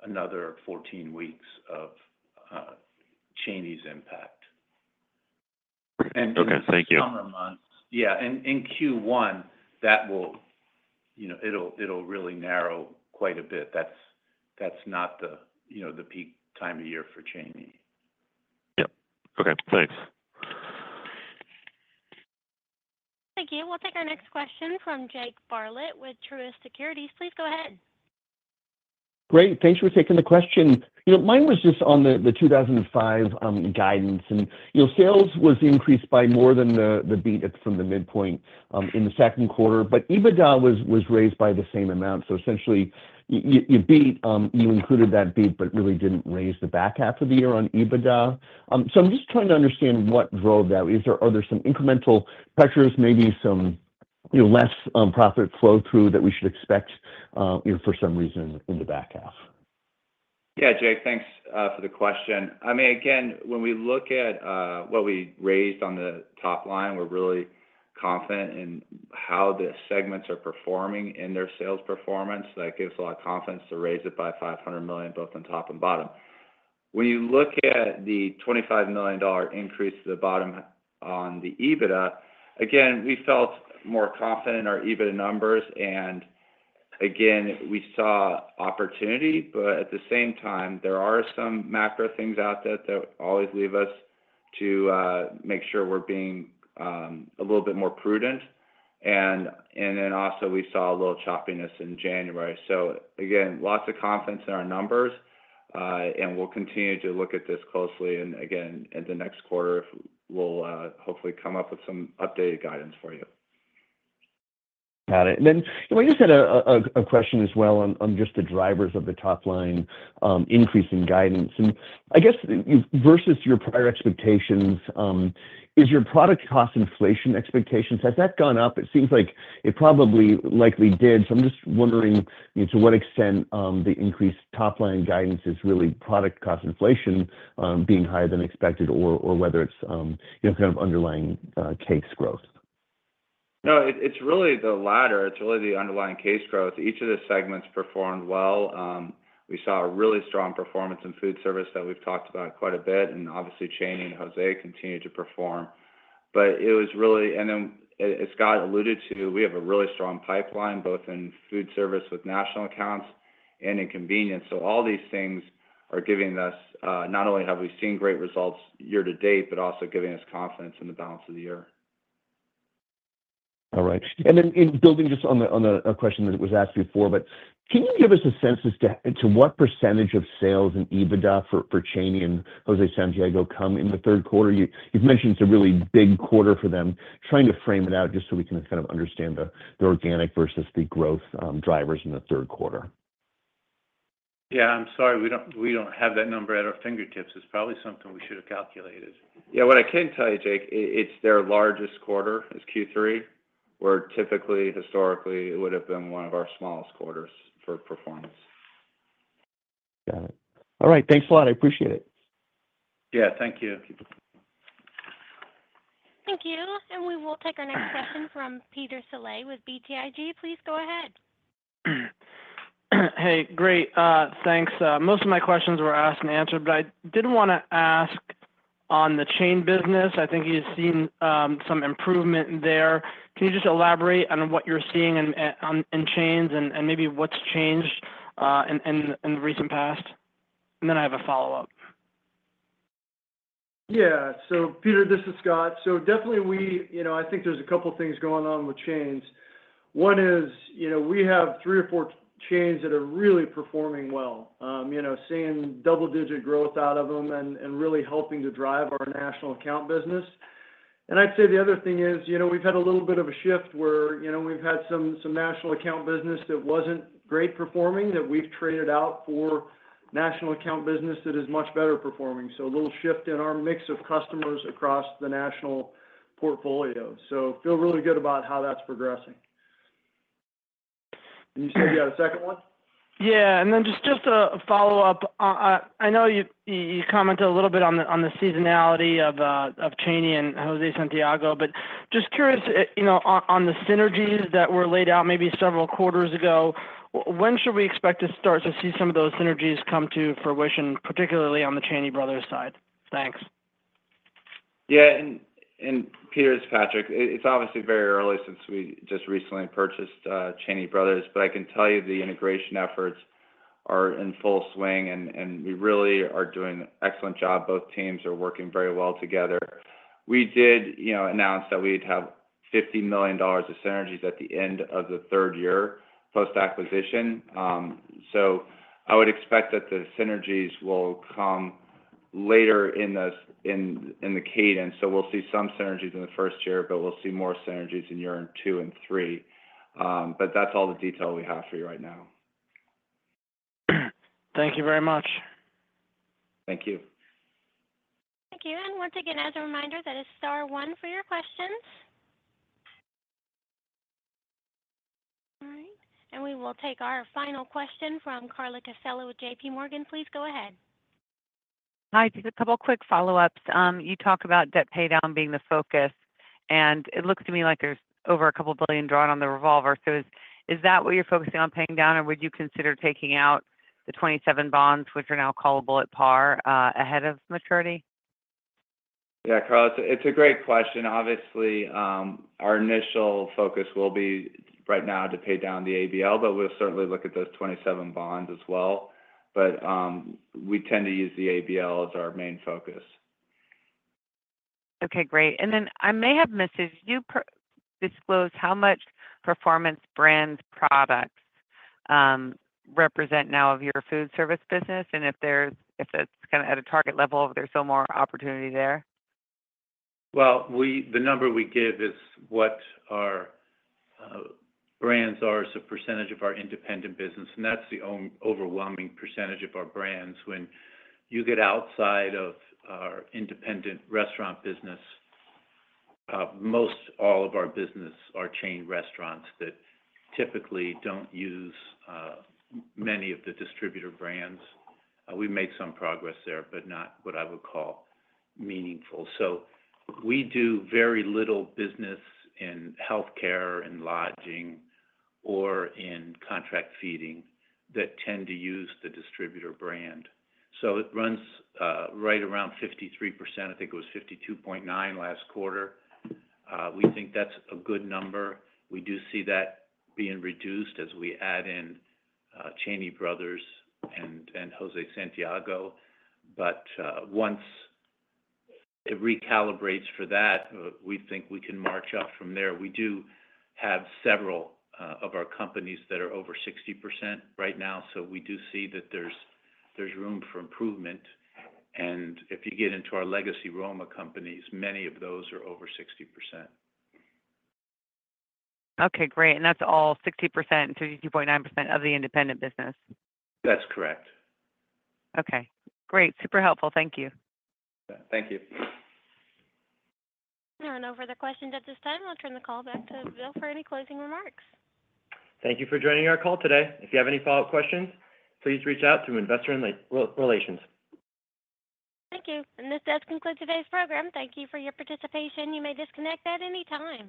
another 14 weeks of Cheney's impact. Okay. Thank you. In Q1, it'll really narrow quite a bit. That's not the peak time of year for Cheney. Yep. Okay. Thanks. Thank you. We'll take our next question from Jake Bartlett with Truist Securities. Please go ahead. Great. Thanks for taking the question. Mine was just on the 2005 guidance. And sales was increased by more than the beat from the midpoint in the second quarter, but EBITDA was raised by the same amount. So essentially, you beat, you included that beat, but really didn't raise the back half of the year on EBITDA. So I'm just trying to understand what drove that. Are there some incremental pressures, maybe some less profit flow-through that we should expect for some reason in the back half? Yeah, Jake, thanks for the question. I mean, again, when we look at what we raised on the top line, we're really confident in how the segments are performing in their sales performance. That gives a lot of confidence to raise it by $500 million, both on top and bottom. When you look at the $25 million increase to the bottom on the EBITDA, again, we felt more confident in our EBITDA numbers. And again, we saw opportunity. But at the same time, there are some macro things out there that always leave us to make sure we're being a little bit more prudent. And then also, we saw a little choppiness in January. So again, lots of confidence in our numbers, and we'll continue to look at this closely. And again, in the next quarter, we'll hopefully come up with some updated guidance for you. Got it. And then I just had a question as well on just the drivers of the top line increase in guidance. And I guess versus your prior expectations, is your product cost inflation expectations? Has that gone up? It seems like it probably likely did. So I'm just wondering to what extent the increased top line guidance is really product cost inflation being higher than expected or whether it's kind of underlying case growth? No, it's really the latter. It's really the underlying case growth. Each of the segments performed well. We saw a really strong performance in foodservice that we've talked about quite a bit. And obviously, Cheney and José continued to perform. But it was really and then as Scott alluded to, we have a really strong pipeline, both in foodservice with national accounts and in convenience. So all these things are giving us not only have we seen great results year-to-date, but also giving us confidence in the balance of the year. All right. And then building just on a question that was asked before, but can you give us a sense as to what percentage of sales and EBITDA for Cheney and José Santiago come in the third quarter? You've mentioned it's a really big quarter for them. Trying to frame it out just so we can kind of understand the organic versus the growth drivers in the third quarter. Yeah. I'm sorry. We don't have that number at our fingertips. It's probably something we should have calculated. Yeah. What I can tell you, Jake, it's their largest quarter is Q3, where typically, historically, it would have been one of our smallest quarters for performance. Got it. All right. Thanks a lot. I appreciate it. Yeah. Thank you. Thank you. And we will take our next question from Peter Saleh with BTIG. Please go ahead. Hey. Great. Thanks. Most of my questions were asked and answered, but I did want to ask on the chain business. I think you've seen some improvement there. Can you just elaborate on what you're seeing in chains and maybe what's changed in the recent past? And then I have a follow-up. Yeah. So Peter, this is Scott. So definitely, I think there's a couple of things going on with chains. One is we have three or four chains that are really performing well, seeing double-digit growth out of them and really helping to drive our national account business. And I'd say the other thing is we've had a little bit of a shift where we've had some national account business that wasn't great performing that we've traded out for national account business that is much better performing. So a little shift in our mix of customers across the national portfolio. So feel really good about how that's progressing. And you said you had a second one? Yeah. And then just a follow-up. I know you commented a little bit on the seasonality of Cheney and José Santiago, but just curious on the synergies that were laid out maybe several quarters ago, when should we expect to start to see some of those synergies come to fruition, particularly on the Cheney Brothers side? Thanks. Yeah. And Peter, this is Patrick. It's obviously very early since we just recently purchased Cheney Brothers, but I can tell you the integration efforts are in full swing, and we really are doing an excellent job. Both teams are working very well together. We did announce that we'd have $50 million of synergies at the end of the third year post-acquisition. So I would expect that the synergies will come later in the cadence. So we'll see some synergies in the first year, but we'll see more synergies in year two and three. But that's all the detail we have for you right now. Thank you very much. Thank you. Thank you. And once again, as a reminder, that is star one for your questions. All right. And we will take our final question from Carla Casella with JPMorgan. Please go ahead. Hi. Just a couple of quick follow-ups. You talk about debt paydown being the focus, and it looks to me like there's over a couple of billion drawn on the revolver. So is that what you're focusing on paying down, or would you consider taking out the 27 bonds, which are now callable at par, ahead of maturity? Yeah, Carla, it's a great question. Obviously, our initial focus will be right now to pay down the ABL, but we'll certainly look at those 27 bonds as well. But we tend to use the ABL as our main focus. Okay. Great. And then I may have missed this. You disclosed how much Performance Brands products represent now of your Foodservice business, and if it's kind of at a target level, if there's still more opportunity there? The number we give is what our brands are as a percentage of our independent business. That's the overwhelming percentage of our brands. When you get outside of our independent restaurant business, most all of our business are chain restaurants that typically don't use many of the distributor brands. We made some progress there, but not what I would call meaningful. We do very little business in healthcare and lodging or in contract feeding that tend to use the distributor brand. It runs right around 53%. I think it was 52.9% last quarter. We think that's a good number. We do see that being reduced as we add in Cheney Brothers and José Santiago. Once it recalibrates for that, we think we can march up from there. We do have several of our companies that are over 60% right now. So we do see that there's room for improvement. And if you get into our legacy Roma companies, many of those are over 60%. Okay. Great, and that's all 60%, 52.9% of the independent business? That's correct. Okay. Great. Super helpful. Thank you. Thank you. There are no further questions at this time. I'll turn the call back to Bill for any closing remarks. Thank you for joining our call today. If you have any follow-up questions, please reach out to investor relations. Thank you, and this does conclude today's program. Thank you for your participation. You may disconnect at any time.